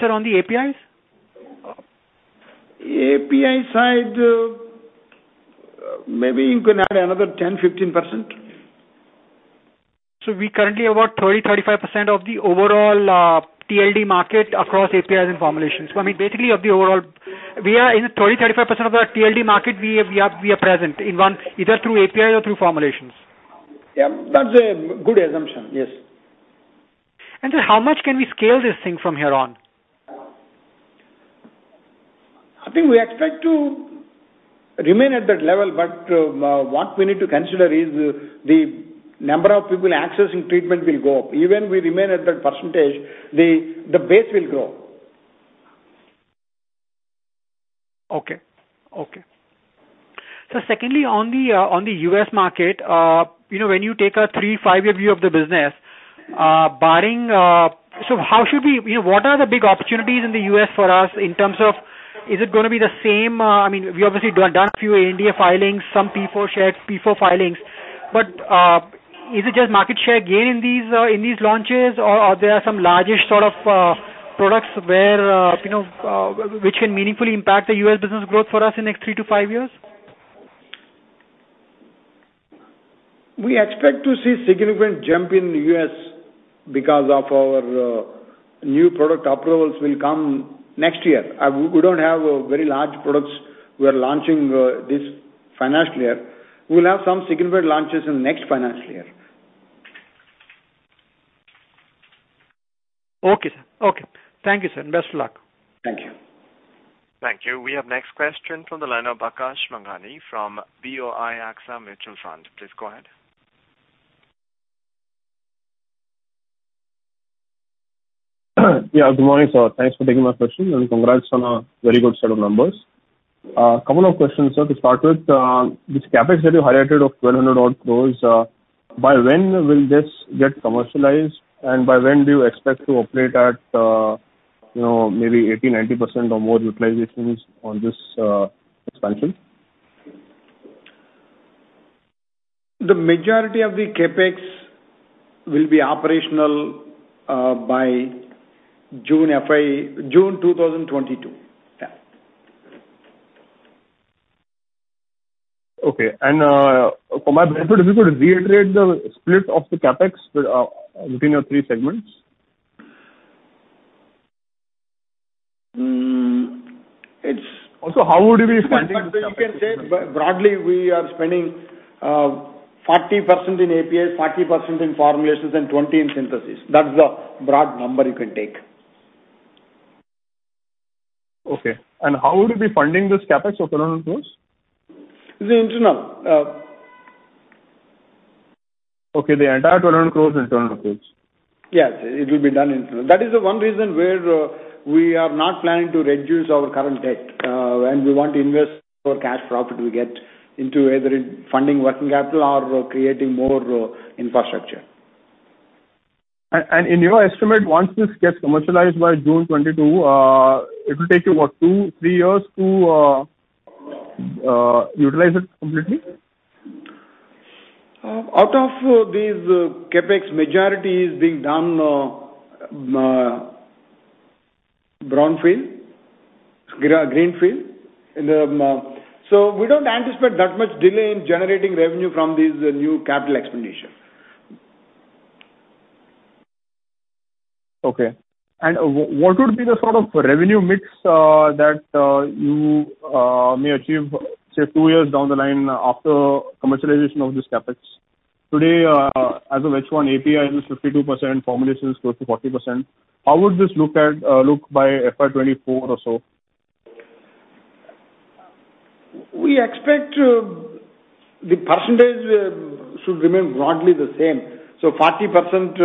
Sir, on the APIs? API side, maybe you can add another 10%, 15%. We're currently about 30%-35% of the overall TLD market across APIs and formulations. I mean, basically of the overall, we are in 30%-35% of the TLD market, we are present in one, either through APIs or through formulations. Yeah. That is a good assumption. Yes. Sir, how much can we scale this thing from here on? I think we expect to remain at that level, but what we need to consider is the number of people accessing treatment will go up. Even if we remain at that percentage, the base will grow. Okay. Secondly, on the U.S. market, when you take a three, five-year view of the business, what are the big opportunities in the U.S. for us in terms of, is it going to be the same? We obviously have done a few ANDA filings, some P4 shared, P4 filings, is it just market share gain in these launches or are there some largest sort of products which can meaningfully impact the U.S. business growth for us in the next three to five years? We expect to see significant jump in U.S. because of our new product approvals will come next year. We don't have very large products we are launching this financial year. We'll have some significant launches in the next financial year. Okay, sir. Okay. Thank you, sir, and best of luck. Thank you. Thank you. We have next question from the line of Aakash Manghani from BOI AXA Mutual Fund. Please go ahead. Yeah, good morning, sir. Thanks for taking my question, and congrats on a very good set of numbers. A couple of questions, sir, to start with. This CapEx that you highlighted of 1,200 odd crores, by when will this get commercialized, and by when do you expect to operate at maybe 80%, 90% or more utilizations on this expansion? The majority of the CapEx will be operational by June 2022. Yeah. Okay. For my benefit, if you could reiterate the split of the CapEx within your three segments. Mm. How would you be spending this CapEx? You can say, broadly, we are spending 40% in APIs, 40% in formulations, and 20% in synthesis. That's the broad number you can take. Okay. How would you be funding this CapEx of INR 1,200 crores? It's internal. Okay, the entire 1,200 crores internal source. Yes. It will be done internal. That is the one reason where we are not planning to reduce our current debt, and we want to invest our cash profit we get into either in funding working capital or creating more infrastructure. In your estimate, once this gets commercialized by June 2022, it will take you what, two, three years to utilize it completely? Out of this CapEx, majority is being done brownfield, greenfield. We don't anticipate that much delay in generating revenue from these new capital expenditures. Okay. What would be the sort of revenue mix that you may achieve, say, two years down the line after commercialization of this CapEx? Today as of H1, API is 52%, formulation is close to 40%. How would this look by FY 2024 or so? We expect the percentage should remain broadly the same. 40%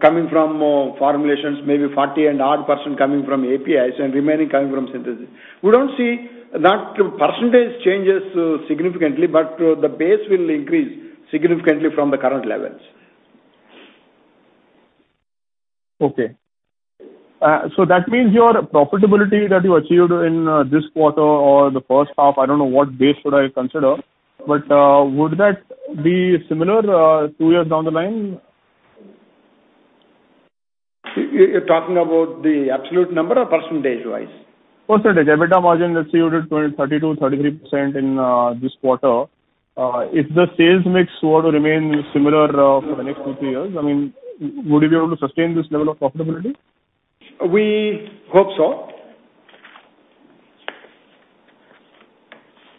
coming from formulations, maybe 40 and odd percent coming from APIs, and remaining coming from synthesis. We don't see that percentage changes significantly, but the base will increase significantly from the current levels. Okay. That means your profitability that you achieved in this quarter or the first half, I don't know what base should I consider, but would that be similar two years down the line? You're talking about the absolute number or percentage-wise? Percentage. EBITDA margin that's yielded 32%, 33% in this quarter. If the sales mix were to remain similar for the next two, three years, would you be able to sustain this level of profitability? We hope so.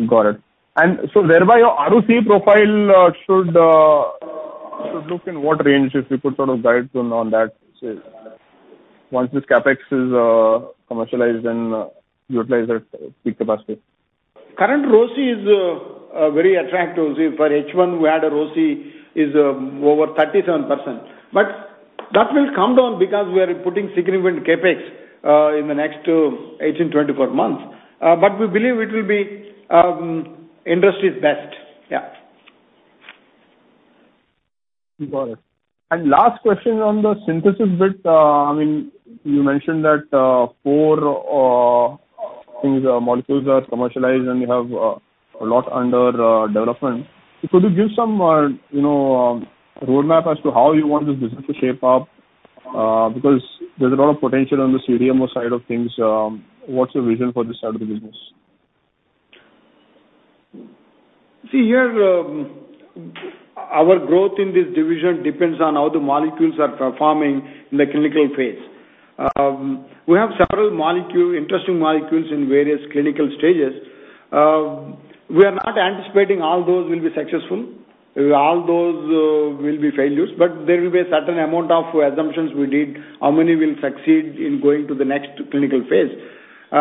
Got it. Thereby, your ROC profile should look in what range, if you could sort of guide on that, say, once this CapEx is commercialized and utilized at peak capacity? Current ROC is very attractive. For H1, we had a ROC is over 37%, but that will come down because we are putting significant CapEx in the next 18-24 months. We believe it will be industry's best. Yeah. Got it. Last question on the synthesis bit. You mentioned that four molecules are commercialized, and you have a lot under development. Could you give some roadmap as to how you want this business to shape up? There's a lot of potential on the CDMO side of things. What's your vision for this side of the business? Our growth in this division depends on how the molecules are performing in the clinical phase. We have several interesting molecules in various clinical stages. We are not anticipating all those will be successful, all those will be failures, there will be a certain amount of assumptions we did, how many will succeed in going to the next clinical phase. We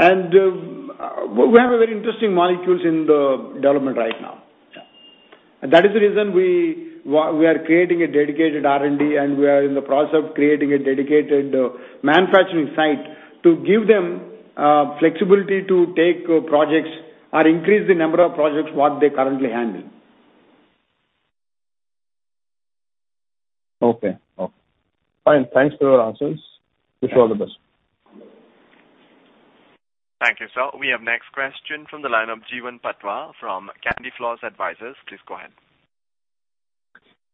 have very interesting molecules in the development right now. Yeah. That is the reason we are creating a dedicated R&D, and we are in the process of creating a dedicated manufacturing site to give them flexibility to take projects or increase the number of projects what they currently handle. Okay. Fine. Thanks for your answers. Wish you all the best. Thank you, sir. We have next question from the line of Jeevan Patwa from Candyfloss Investment Advisors. Please go ahead.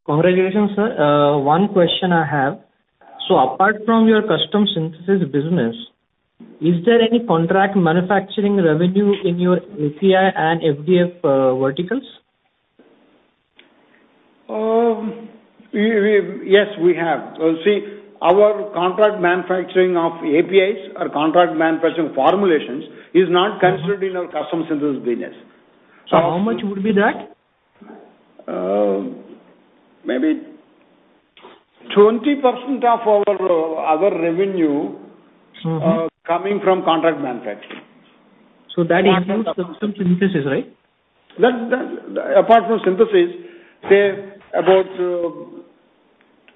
Congratulations, sir. One question I have. Apart from your custom synthesis business, is there any contract manufacturing revenue in your API and FDF verticals? Yes, we have. See, our contract manufacturing of APIs or contract manufacturing formulations is not considered in our custom synthesis business. How much would be that? Maybe 20% of our other revenue. Coming from contract manufacturing. That includes custom synthesis, right? Apart from synthesis, say about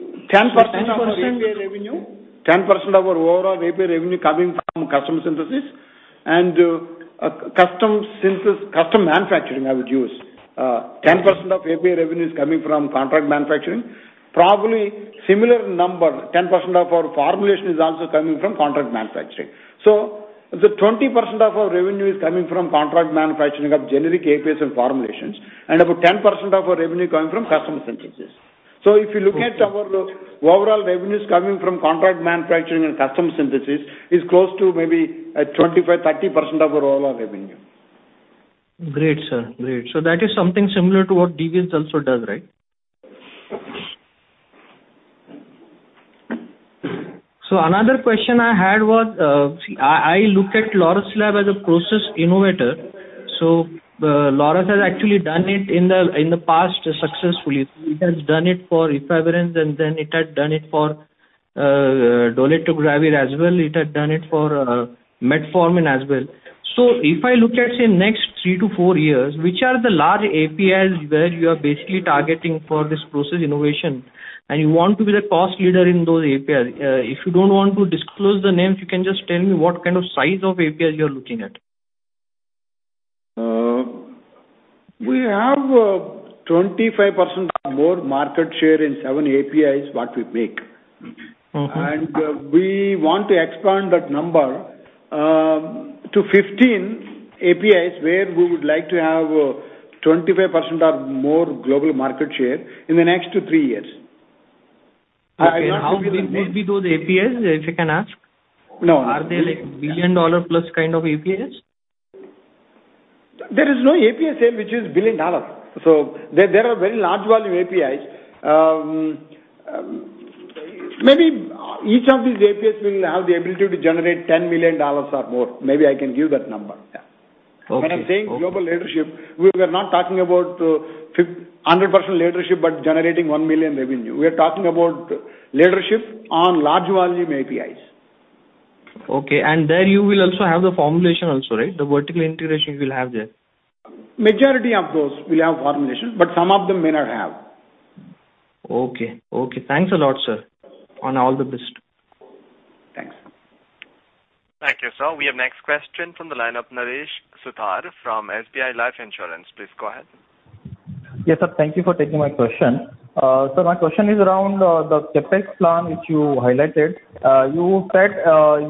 10% of our API revenue, 10% of our overall API revenue coming from custom synthesis and custom manufacturing, I would use. 10% of API revenue is coming from contract manufacturing. Probably similar number, 10% of our formulation is also coming from contract manufacturing. The 20% of our revenue is coming from contract manufacturing of generic APIs and formulations, and about 10% of our revenue coming from custom synthesis. If you look at our overall revenues coming from contract manufacturing and custom synthesis, is close to maybe 25%-30% of our overall revenue. Great, sir. That is something similar to what Divi's also does, right? Another question I had was, I look at Laurus Labs as a process innovator. Laurus has actually done it in the past successfully. It has done it for efavirenz, and then it had done it for dolutegravir as well. It had done it for metformin as well. If I look at, say, next three to four years, which are the large APIs where you are basically targeting for this process innovation, and you want to be the cost leader in those APIs. If you don't want to disclose the names, you can just tell me what kind of size of APIs you're looking at. We have 25% or more market share in seven APIs, what we make. Okay. We want to expand that number to 15 APIs, where we would like to have 25% or more global market share in the next three years. Okay. How big would be those APIs, if I can ask? No. Are they like billion-dollar plus kind of APIs? There is no API sale which is billion dollars. There are very large volume APIs. Maybe each of these APIs will have the ability to generate $10 million or more. Maybe I can give that number. Yeah. Okay. When I'm saying global leadership, we are not talking about 100% leadership, but generating 1 million revenue. We are talking about leadership on large volume APIs. Okay. There you will also have the formulation also, right? The vertical integration you will have there. Majority of those will have formulations, but some of them may not have. Okay. Thanks a lot, sir. All the best. Thanks. Thank you, sir. We have next question from the line of Naresh Suthar from SBI Life Insurance. Please go ahead. Yes, sir. Thank you for taking my question. Sir, my question is around the CapEx plan which you highlighted. You said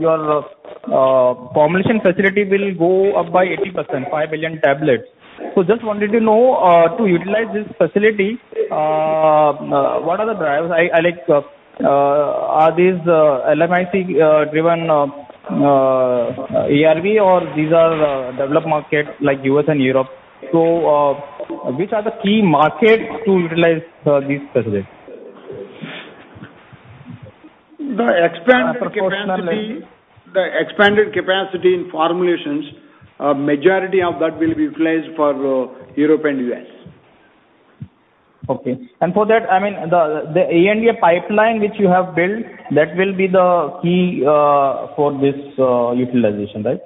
your formulation facility will go up by 80%, five million tablets. Just wanted to know to utilize this facility, what are the drivers? Are these LMIC-driven ARV, or these are developed markets like U.S. and Europe? Which are the key markets to utilize these facilities? The expanded capacity in formulations, a majority of that will be utilized for Europe and U.S.. Okay. For that, the ANDA pipeline which you have built, that will be the key for this utilization, right?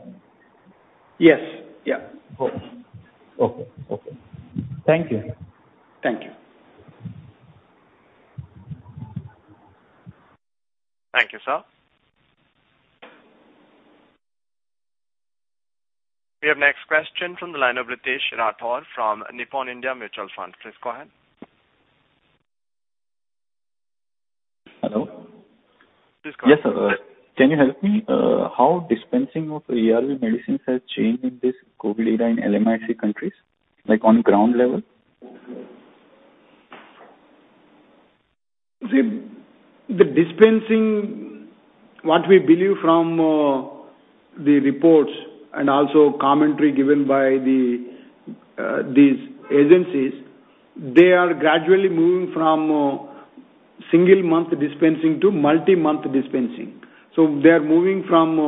Yes. Okay. Thank you. Thank you. Thank you, sir. We have next question from the line of Ritesh Rathod from Nippon India Mutual Fund. Please go ahead. Hello. Please go ahead. Yes, sir. Can you help me? How dispensing of ARV medicines has changed in this COVID era in LMIC countries, on ground level? The dispensing, what we believe from the reports and also commentary given by these agencies, they are gradually moving from single-month dispensing to multi-month dispensing. They're moving from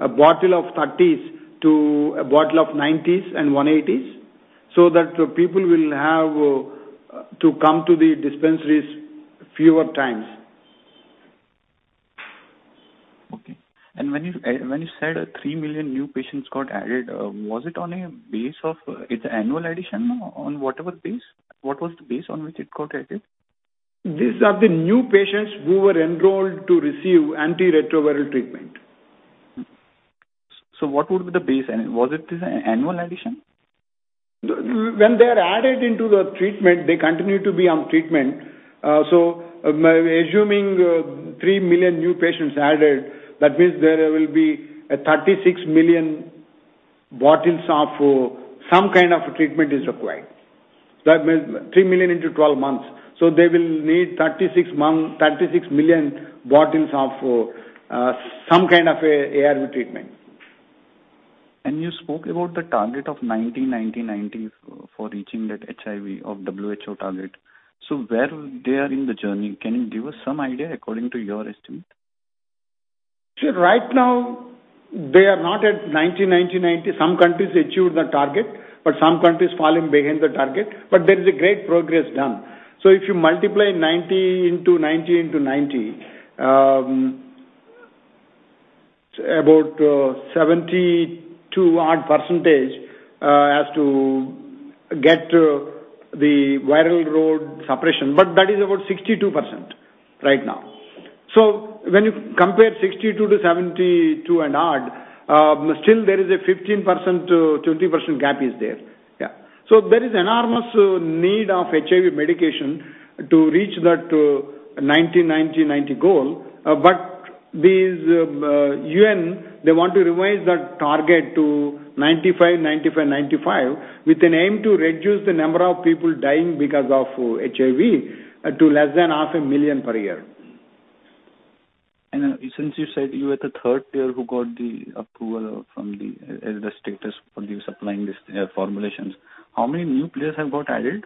a bottle of 30s to a bottle of 90s and 180s, so that people will have to come to the dispensaries fewer times. Okay. When you said three million new patients got added, was it on a base of its annual addition or on whatever base? What was the base on which it got added? These are the new patients who were enrolled to receive antiretroviral treatment. What would be the base? Was it an annual addition? When they're added into the treatment, they continue to be on treatment. Assuming three million new patients added, that means there will be 36 million bottles of some kind of treatment is required. That means three million into 12 months. They will need 36 million bottles of some kind of ARV treatment. You spoke about the target of 90-90-90 for reaching that HIV of WHO target. Where they are in the journey, can you give us some idea according to your estimate? Right now they are not at 90-90-90. Some countries achieved the target, some countries falling behind the target. There is a great progress done. If you multiply 90 into 90 into 90, about 72% has to get the viral load suppression. That is about 62% right now. When you 62%-72% and odd, still there is a 15%-20% gap is there. Yeah. There is enormous need of HIV medication to reach that 90-90-90 goal. These UNAIDS, they want to revise that target to 95-95-95 with an aim to reduce the number of people dying because of HIV to less than half a million per year. Since you said you were the third player who got the approval from the elder status for the supplying these formulations, how many new players have got added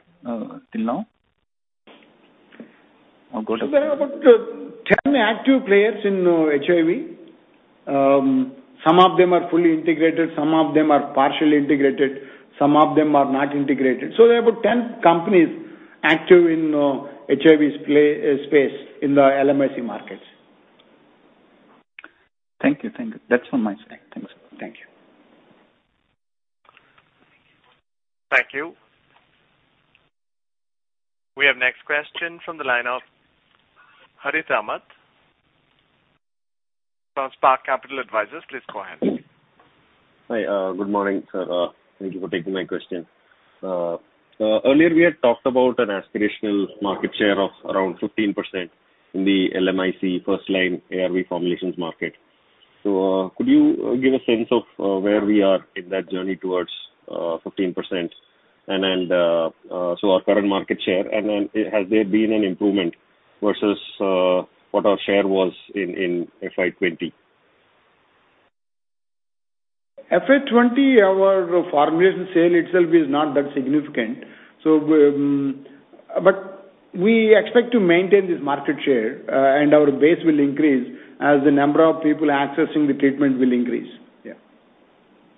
till now or got approval? There are about 10 active players in HIV. Some of them are fully integrated, some of them are partially integrated, some of them are not integrated. There are about 10 companies active in HIV space in the LMIC markets. Thank you. That is from my side. Thanks. Thank you. Thank you. We have next question from the line of Harit Samant from Spark Capital Advisors. Please go ahead. Hi. Good morning, sir. Thank you for taking my question. Earlier, we had talked about an aspirational market share of around 15% in the LMIC first-line ARV formulations market. Could you give a sense of where we are in that journey towards 15%? Our current market share, has there been an improvement versus what our share was in FY 2020? FY 2020, our formulation sale itself is not that significant. We expect to maintain this market share, and our base will increase as the number of people accessing the treatment will increase.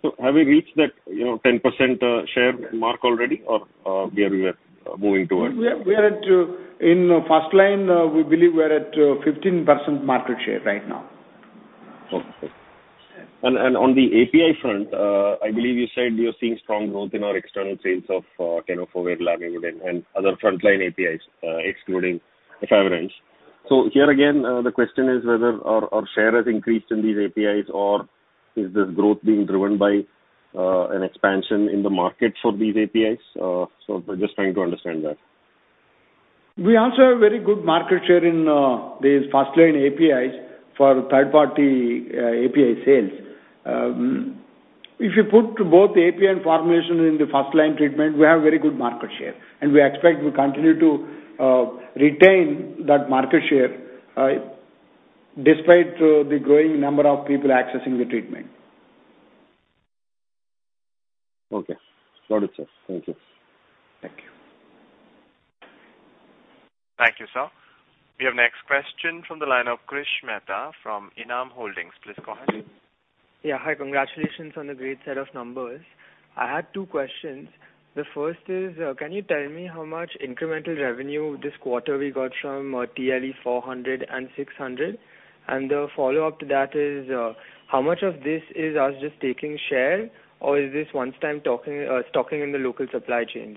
Yeah. Have we reached that 10% share mark already or where we are moving towards? In first line, we believe we're at 15% market share right now. Okay. On the API front, I believe you said you're seeing strong growth in our external sales of tenofovir alafenamide and other frontline APIs, excluding efavirenz. Here again, the question is whether our share has increased in these APIs or is this growth being driven by an expansion in the market for these APIs? Just trying to understand that. We also have very good market share in these first-line APIs for third-party API sales. If you put both API and formulation in the first-line treatment, we have very good market share, and we expect we continue to retain that market share despite the growing number of people accessing the treatment. Okay. Got it, sir. Thank you. Thank you. Thank you, sir. We have next question from the line of Krish Mehta from Enam Holdings. Please go ahead. Yeah. Hi, congratulations on the great set of numbers. I had two questions. The first is, can you tell me how much incremental revenue this quarter we got from TLE-400 and TLE 600? The follow-up to that is how much of this is us just taking share or is this one time stocking in the local supply chains?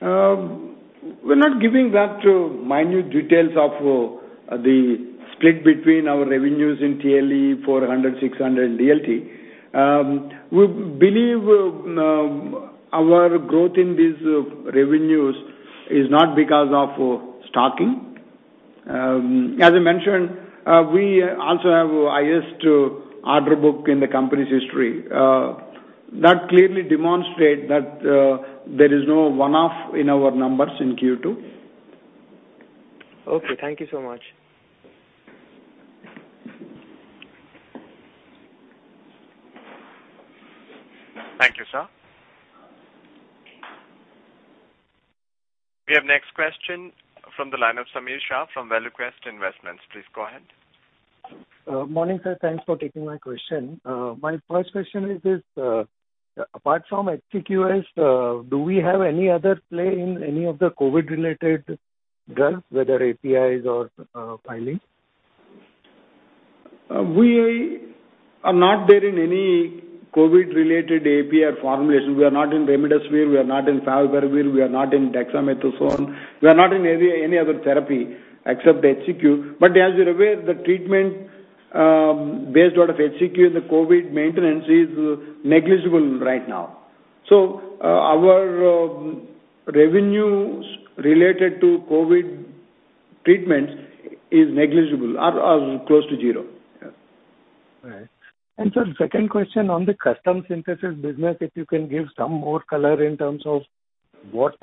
We're not giving that minute details of the split between our revenues in TLE-400, TLE 600, and TLD. We believe our growth in these revenues is not because of stocking. As I mentioned, we also have the highest order book in the company's history. That clearly demonstrates that there is no one-off in our numbers in Q2. Okay, thank you so much. Thank you, sir. We have next question from the line of Sameer Shah from ValueQuest Investments. Please go ahead. Morning, sir. Thanks for taking my question. My first question is, apart from HCQS, do we have any other play in any of the COVID-related drugs, whether APIs or filings? We are not there in any COVID-related API formulation. We are not in remdesivir, we are not in favipiravir, we are not in dexamethasone. We are not in any other therapy except HCQ. As you're aware, the treatment based out of HCQ, the COVID maintenance, is negligible right now. Our revenues related to COVID treatments is negligible or close to zero. Right. Sir, second question on the custom synthesis business, if you can give some more color in terms of what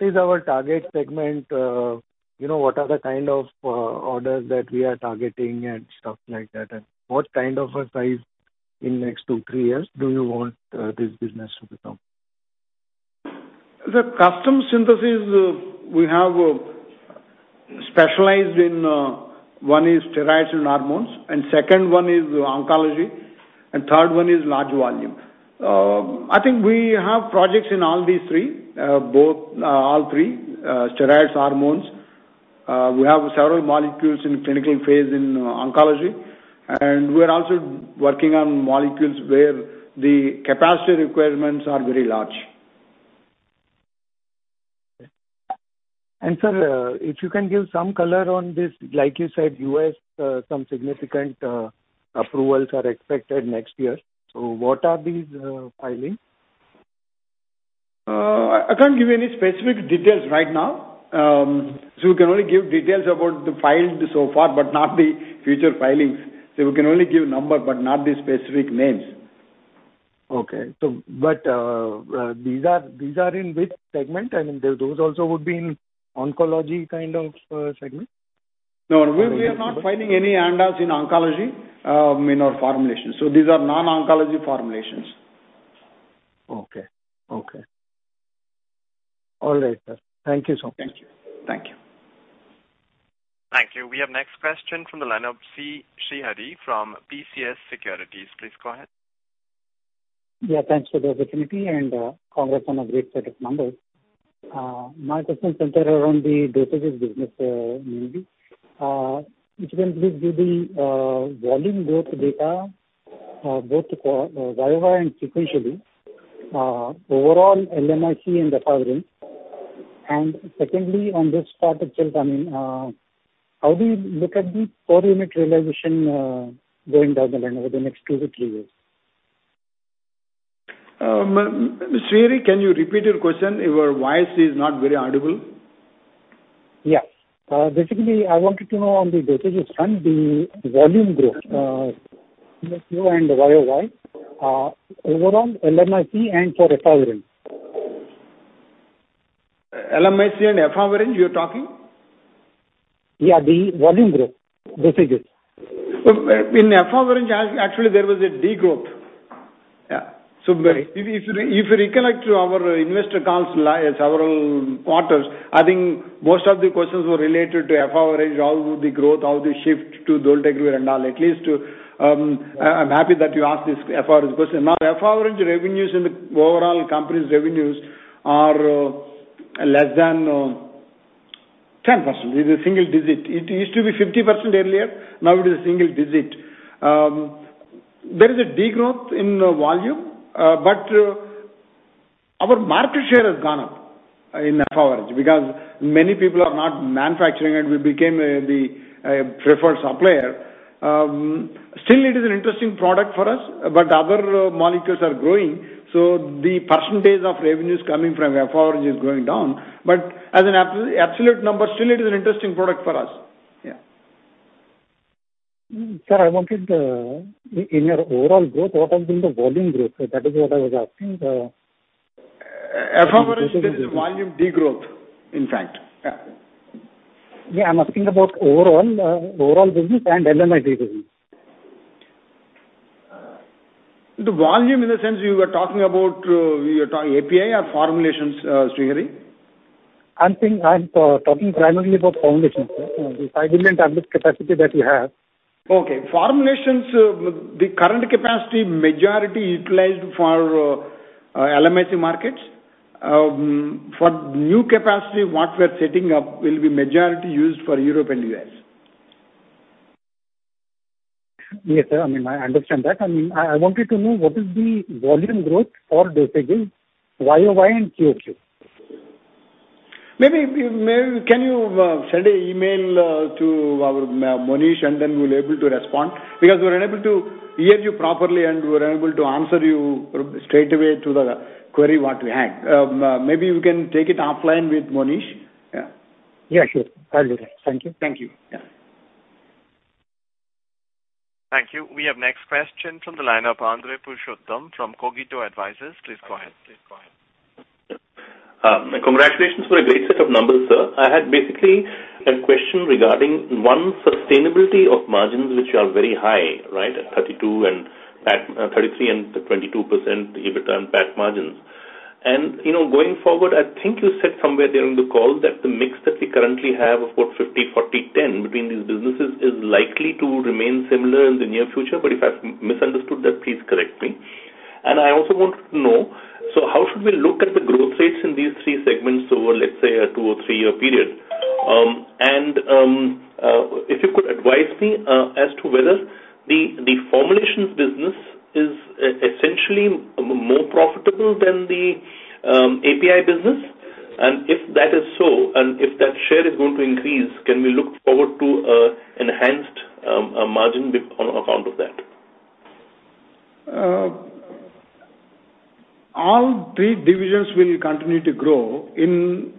is our target segment, what are the kind of orders that we are targeting, and stuff like that, and what kind of a size in next two, three years do you want this business to become? The custom synthesis we have specialized in, one is steroids and hormones, and second one is oncology, and third one is large volume. I think we have projects in all three. Steroids, hormones. We have several molecules in clinical phase in oncology, and we're also working on molecules where the capacity requirements are very large. Sir, if you can give some color on this, like you said, U.S., some significant approvals are expected next year. What are these filings? I can't give any specific details right now. We can only give details about the files so far, but not the future filings. We can only give numbers, but not the specific names. Okay. These are in which segment? I mean, those also would be in oncology kind of segment? No, we are not filing any ANDAs in oncology in our formulation. These are non-oncology formulations. Okay. All right, sir. Thank you so much. Thank you. Thank you. We have next question from the line of C. Sridhar from BCS Securities. Please go ahead. Yeah, thanks for the opportunity, and congrats on a great set of numbers. My question center around the dosages business maybe. If you can please give the volume growth data, both quarter over and sequentially, overall LMIC and FDF efavirenz. Secondly, on this particular item, how do you look at the core unit realization going down the line over the next two to three years? Sridhar, can you repeat your question? Your voice is not very audible. Yes. Basically, I wanted to know on the dosages front, the volume growth QOQ and YOY, overall LMIC and for FDF efavirenz. LMIC and FDF efavirenz, you're talking? Yeah, the volume growth. Dosages. In F average, actually, there was a degrowth. Right. If you recollect our investor calls several quarters, I think most of the questions were related to efavirenz, how the growth, how the shift to dolutegravir and all. At least, I'm happy that you asked this efavirenz question. Now, efavirenz revenues and the overall company's revenues are less than 10%. It is single digit. It used to be 50% earlier. Now it is single digit. There is a degrowth in volume. Our market share has gone up in efavirenz because many people are not manufacturing it. We became the preferred supplier. Still, it is an interesting product for us, but other molecules are growing, so the percentage of revenues coming from efavirenz is going down. As an absolute number, still it is an interesting product for us. Yeah. Sir, I wanted, in your overall growth, what has been the volume growth? That is what I was asking. F average, there's volume degrowth, in fact. Yeah. Yeah, I'm asking about overall business and LMIC business. The volume in the sense you were talking about API or formulations, Sridhar? I'm talking primarily about formulations. The five billion tablet capacity that you have. Okay. Formulations, the current capacity, majority utilized for LMIC markets. For new capacity, what we're setting up will be majority used for Europe and U.S.. Yes, sir, I understand that. I wanted to know what is the volume growth for this quarter, YOY and QOQ? Can you send an email to our Manish, and then we'll be able to respond because we're unable to hear you properly, and we're unable to answer you straight away to the query what we had. You can take it offline with Manish. Yeah, sure. I'll do that. Thank you. Thank you. Thank you. We have next question from the line of Andrey Purushottam from Cogito Advisors. Please go ahead. Congratulations for a great set of numbers, sir. I had basically a question regarding sustainability of margins, which are very high at 33% and 22% EBITDA and PAT margins. Going forward, I think you said somewhere during the call that the mix that we currently have of, what, 50/40/10 between these businesses is likely to remain similar in the near future. If I've misunderstood that, please correct me. I also wanted to know, how should we look at the growth rates in these three segments over, let's say, a two- or three-year period? If you could advise me as to whether the formulations business is essentially more profitable than the API business. If that is so, and if that share is going to increase, can we look forward to an enhanced margin on account of that? All three divisions will continue to grow. In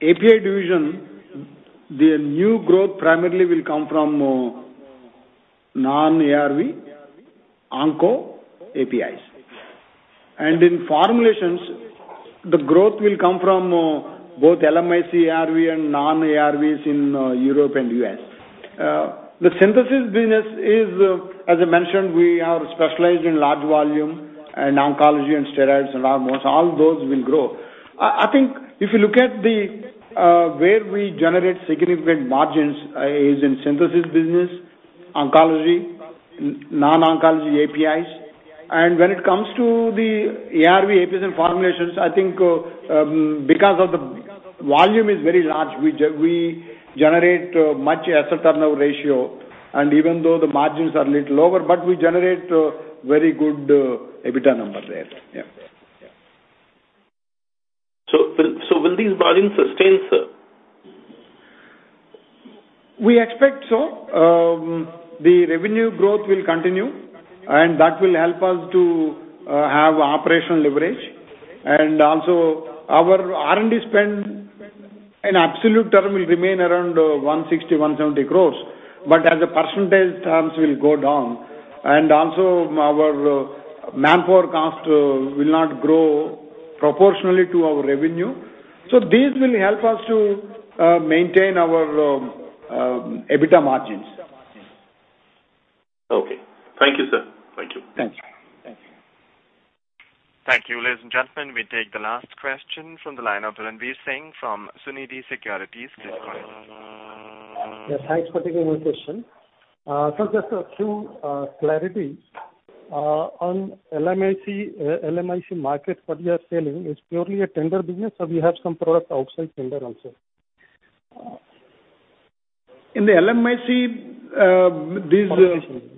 API division, the new growth primarily will come from non-ARV onco APIs. In formulations, the growth will come from both LMIC ARV and non-ARVs in Europe and U.S. The synthesis business is, as I mentioned, we are specialized in large volume in oncology and steroids and hormones. All those will grow. I think if you look at where we generate significant margins is in synthesis business, oncology, non-oncology APIs. When it comes to the ARV APIs and formulations, I think because of the volume is very large, we generate much asset turnover ratio, and even though the margins are a little lower, but we generate very good EBITDA numbers there. Will these margins sustain, sir? We expect so. The revenue growth will continue, and that will help us to have operational leverage. Also our R&D spend in absolute term will remain around 160 crore-170 crore, but as a percentage terms will go down. Also our manpower cost will not grow proportionally to our revenue. These will help us to maintain our EBITDA margins. Okay. Thank you, sir. Thanks. Thank you. Ladies and gentlemen, we take the last question from the line of Ranveer Singh from Sunidhi Securities. Please go ahead. Yes, thanks for taking my question. Sir, just a few clarity on LMIC market. What you are selling is purely a tender business, or we have some product outside tender also? In the LMIC. Formulations business.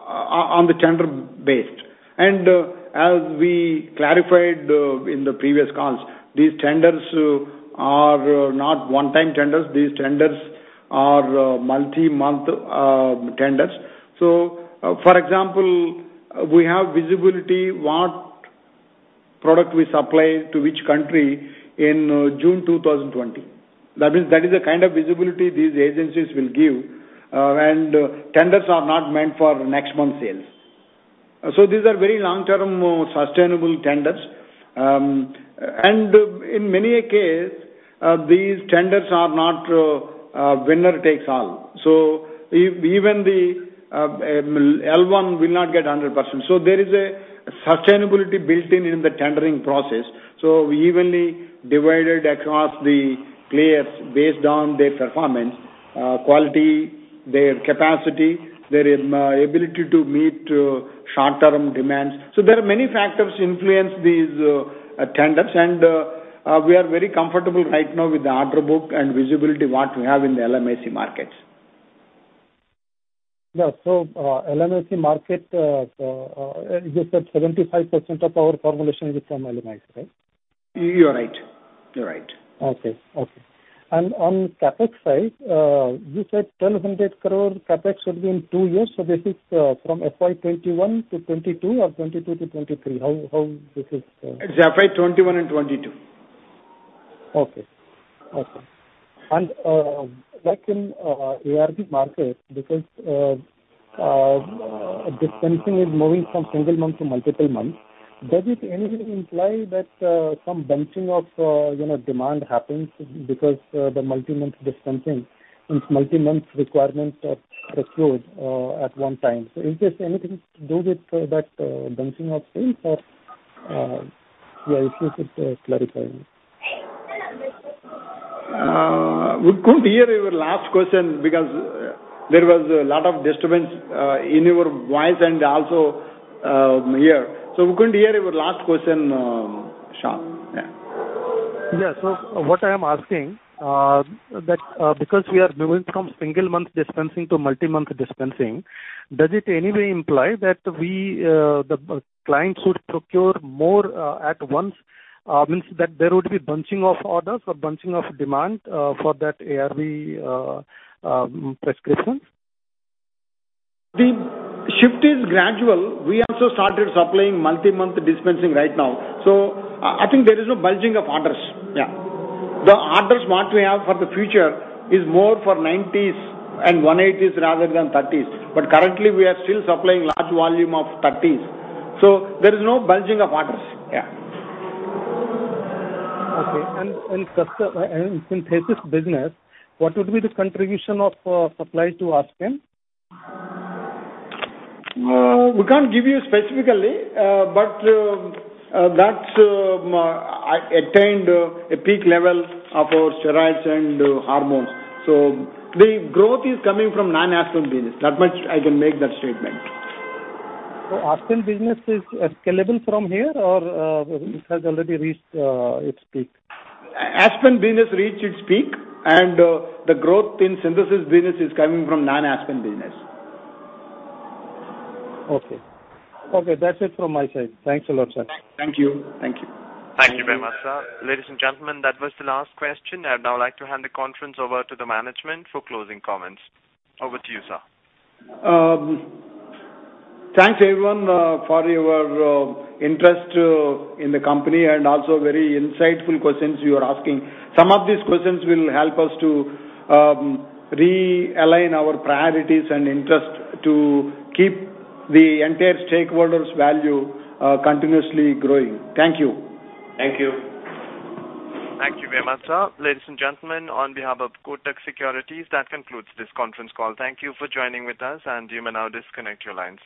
On the tender-based. As we clarified in the previous calls, these tenders are not one-time tenders. These tenders are multi-month tenders. For example, we have visibility what product we supply to which country in June 2020. That means that is the kind of visibility these agencies will give, and tenders are not meant for next month sales. These are very long-term, sustainable tenders. In many a case, these tenders are not winner takes all. Even the L1 will not get 100%. There is a sustainability built in in the tendering process, so evenly divided across the players based on their performance, quality, their capacity, their ability to meet short-term demands. There are many factors influence these tenders, and we are very comfortable right now with the order book and visibility what we have in the LMIC markets. Yeah. LMIC market, you said 75% of our formulation is from LMIC, right? You're right. Okay. On CapEx side, you said 1,200 crore CapEx will be in two years, this is from FY 2021-FY 2022 or FY 2022-FY 2023? How this is? It's FY 2021 and 2022. Okay. Like in ARV market, because dispensing is moving from single month to multiple months, does it anything imply that some bunching of demand happens because the multi-month dispensing means multi-month requirements are procured at one time? Is this anything to do with that bunching of sales? Or if you could clarify. We couldn't hear your last question because there was a lot of disturbance in your voice and also here. We couldn't hear your last question, Singh. Yeah. What I am asking, because we are moving from single-month dispensing to multi-month dispensing, does it any way imply that the client should procure more at once? Means that there would be bunching of orders or bunching of demand for that ARV prescription. The shift is gradual. We also started supplying multi-month dispensing right now. I think there is no bulging of orders. The orders what we have for the future is more for 90s and 180s rather than 30s. Currently, we are still supplying large volume of 30s, so there is no bulging of orders. Okay. In Synthesis Business, what would be the contribution of supply to Aspen? We can't give you specifically, but that's attained a peak level of our steroids and hormones. The growth is coming from non-Aspen business. That much I can make that statement. Aspen business is scalable from here, or it has already reached its peak? Aspen business reached its peak and the growth in Synthesis business is coming from non-Aspen business. Okay. That's it from my side. Thanks a lot, sir. Thank you. Thank you very much, sir. Ladies and gentlemen, that was the last question. I'd now like to hand the conference over to the management for closing comments. Over to you, sir. Thanks, everyone, for your interest in the company and also very insightful questions you are asking. Some of these questions will help us to realign our priorities and interest to keep the entire stakeholders' value continuously growing. Thank you. Thank you. Thank you very much, sir. Ladies and gentlemen, on behalf of Kotak Securities, that concludes this conference call. Thank you for joining with us, and you may now disconnect your lines.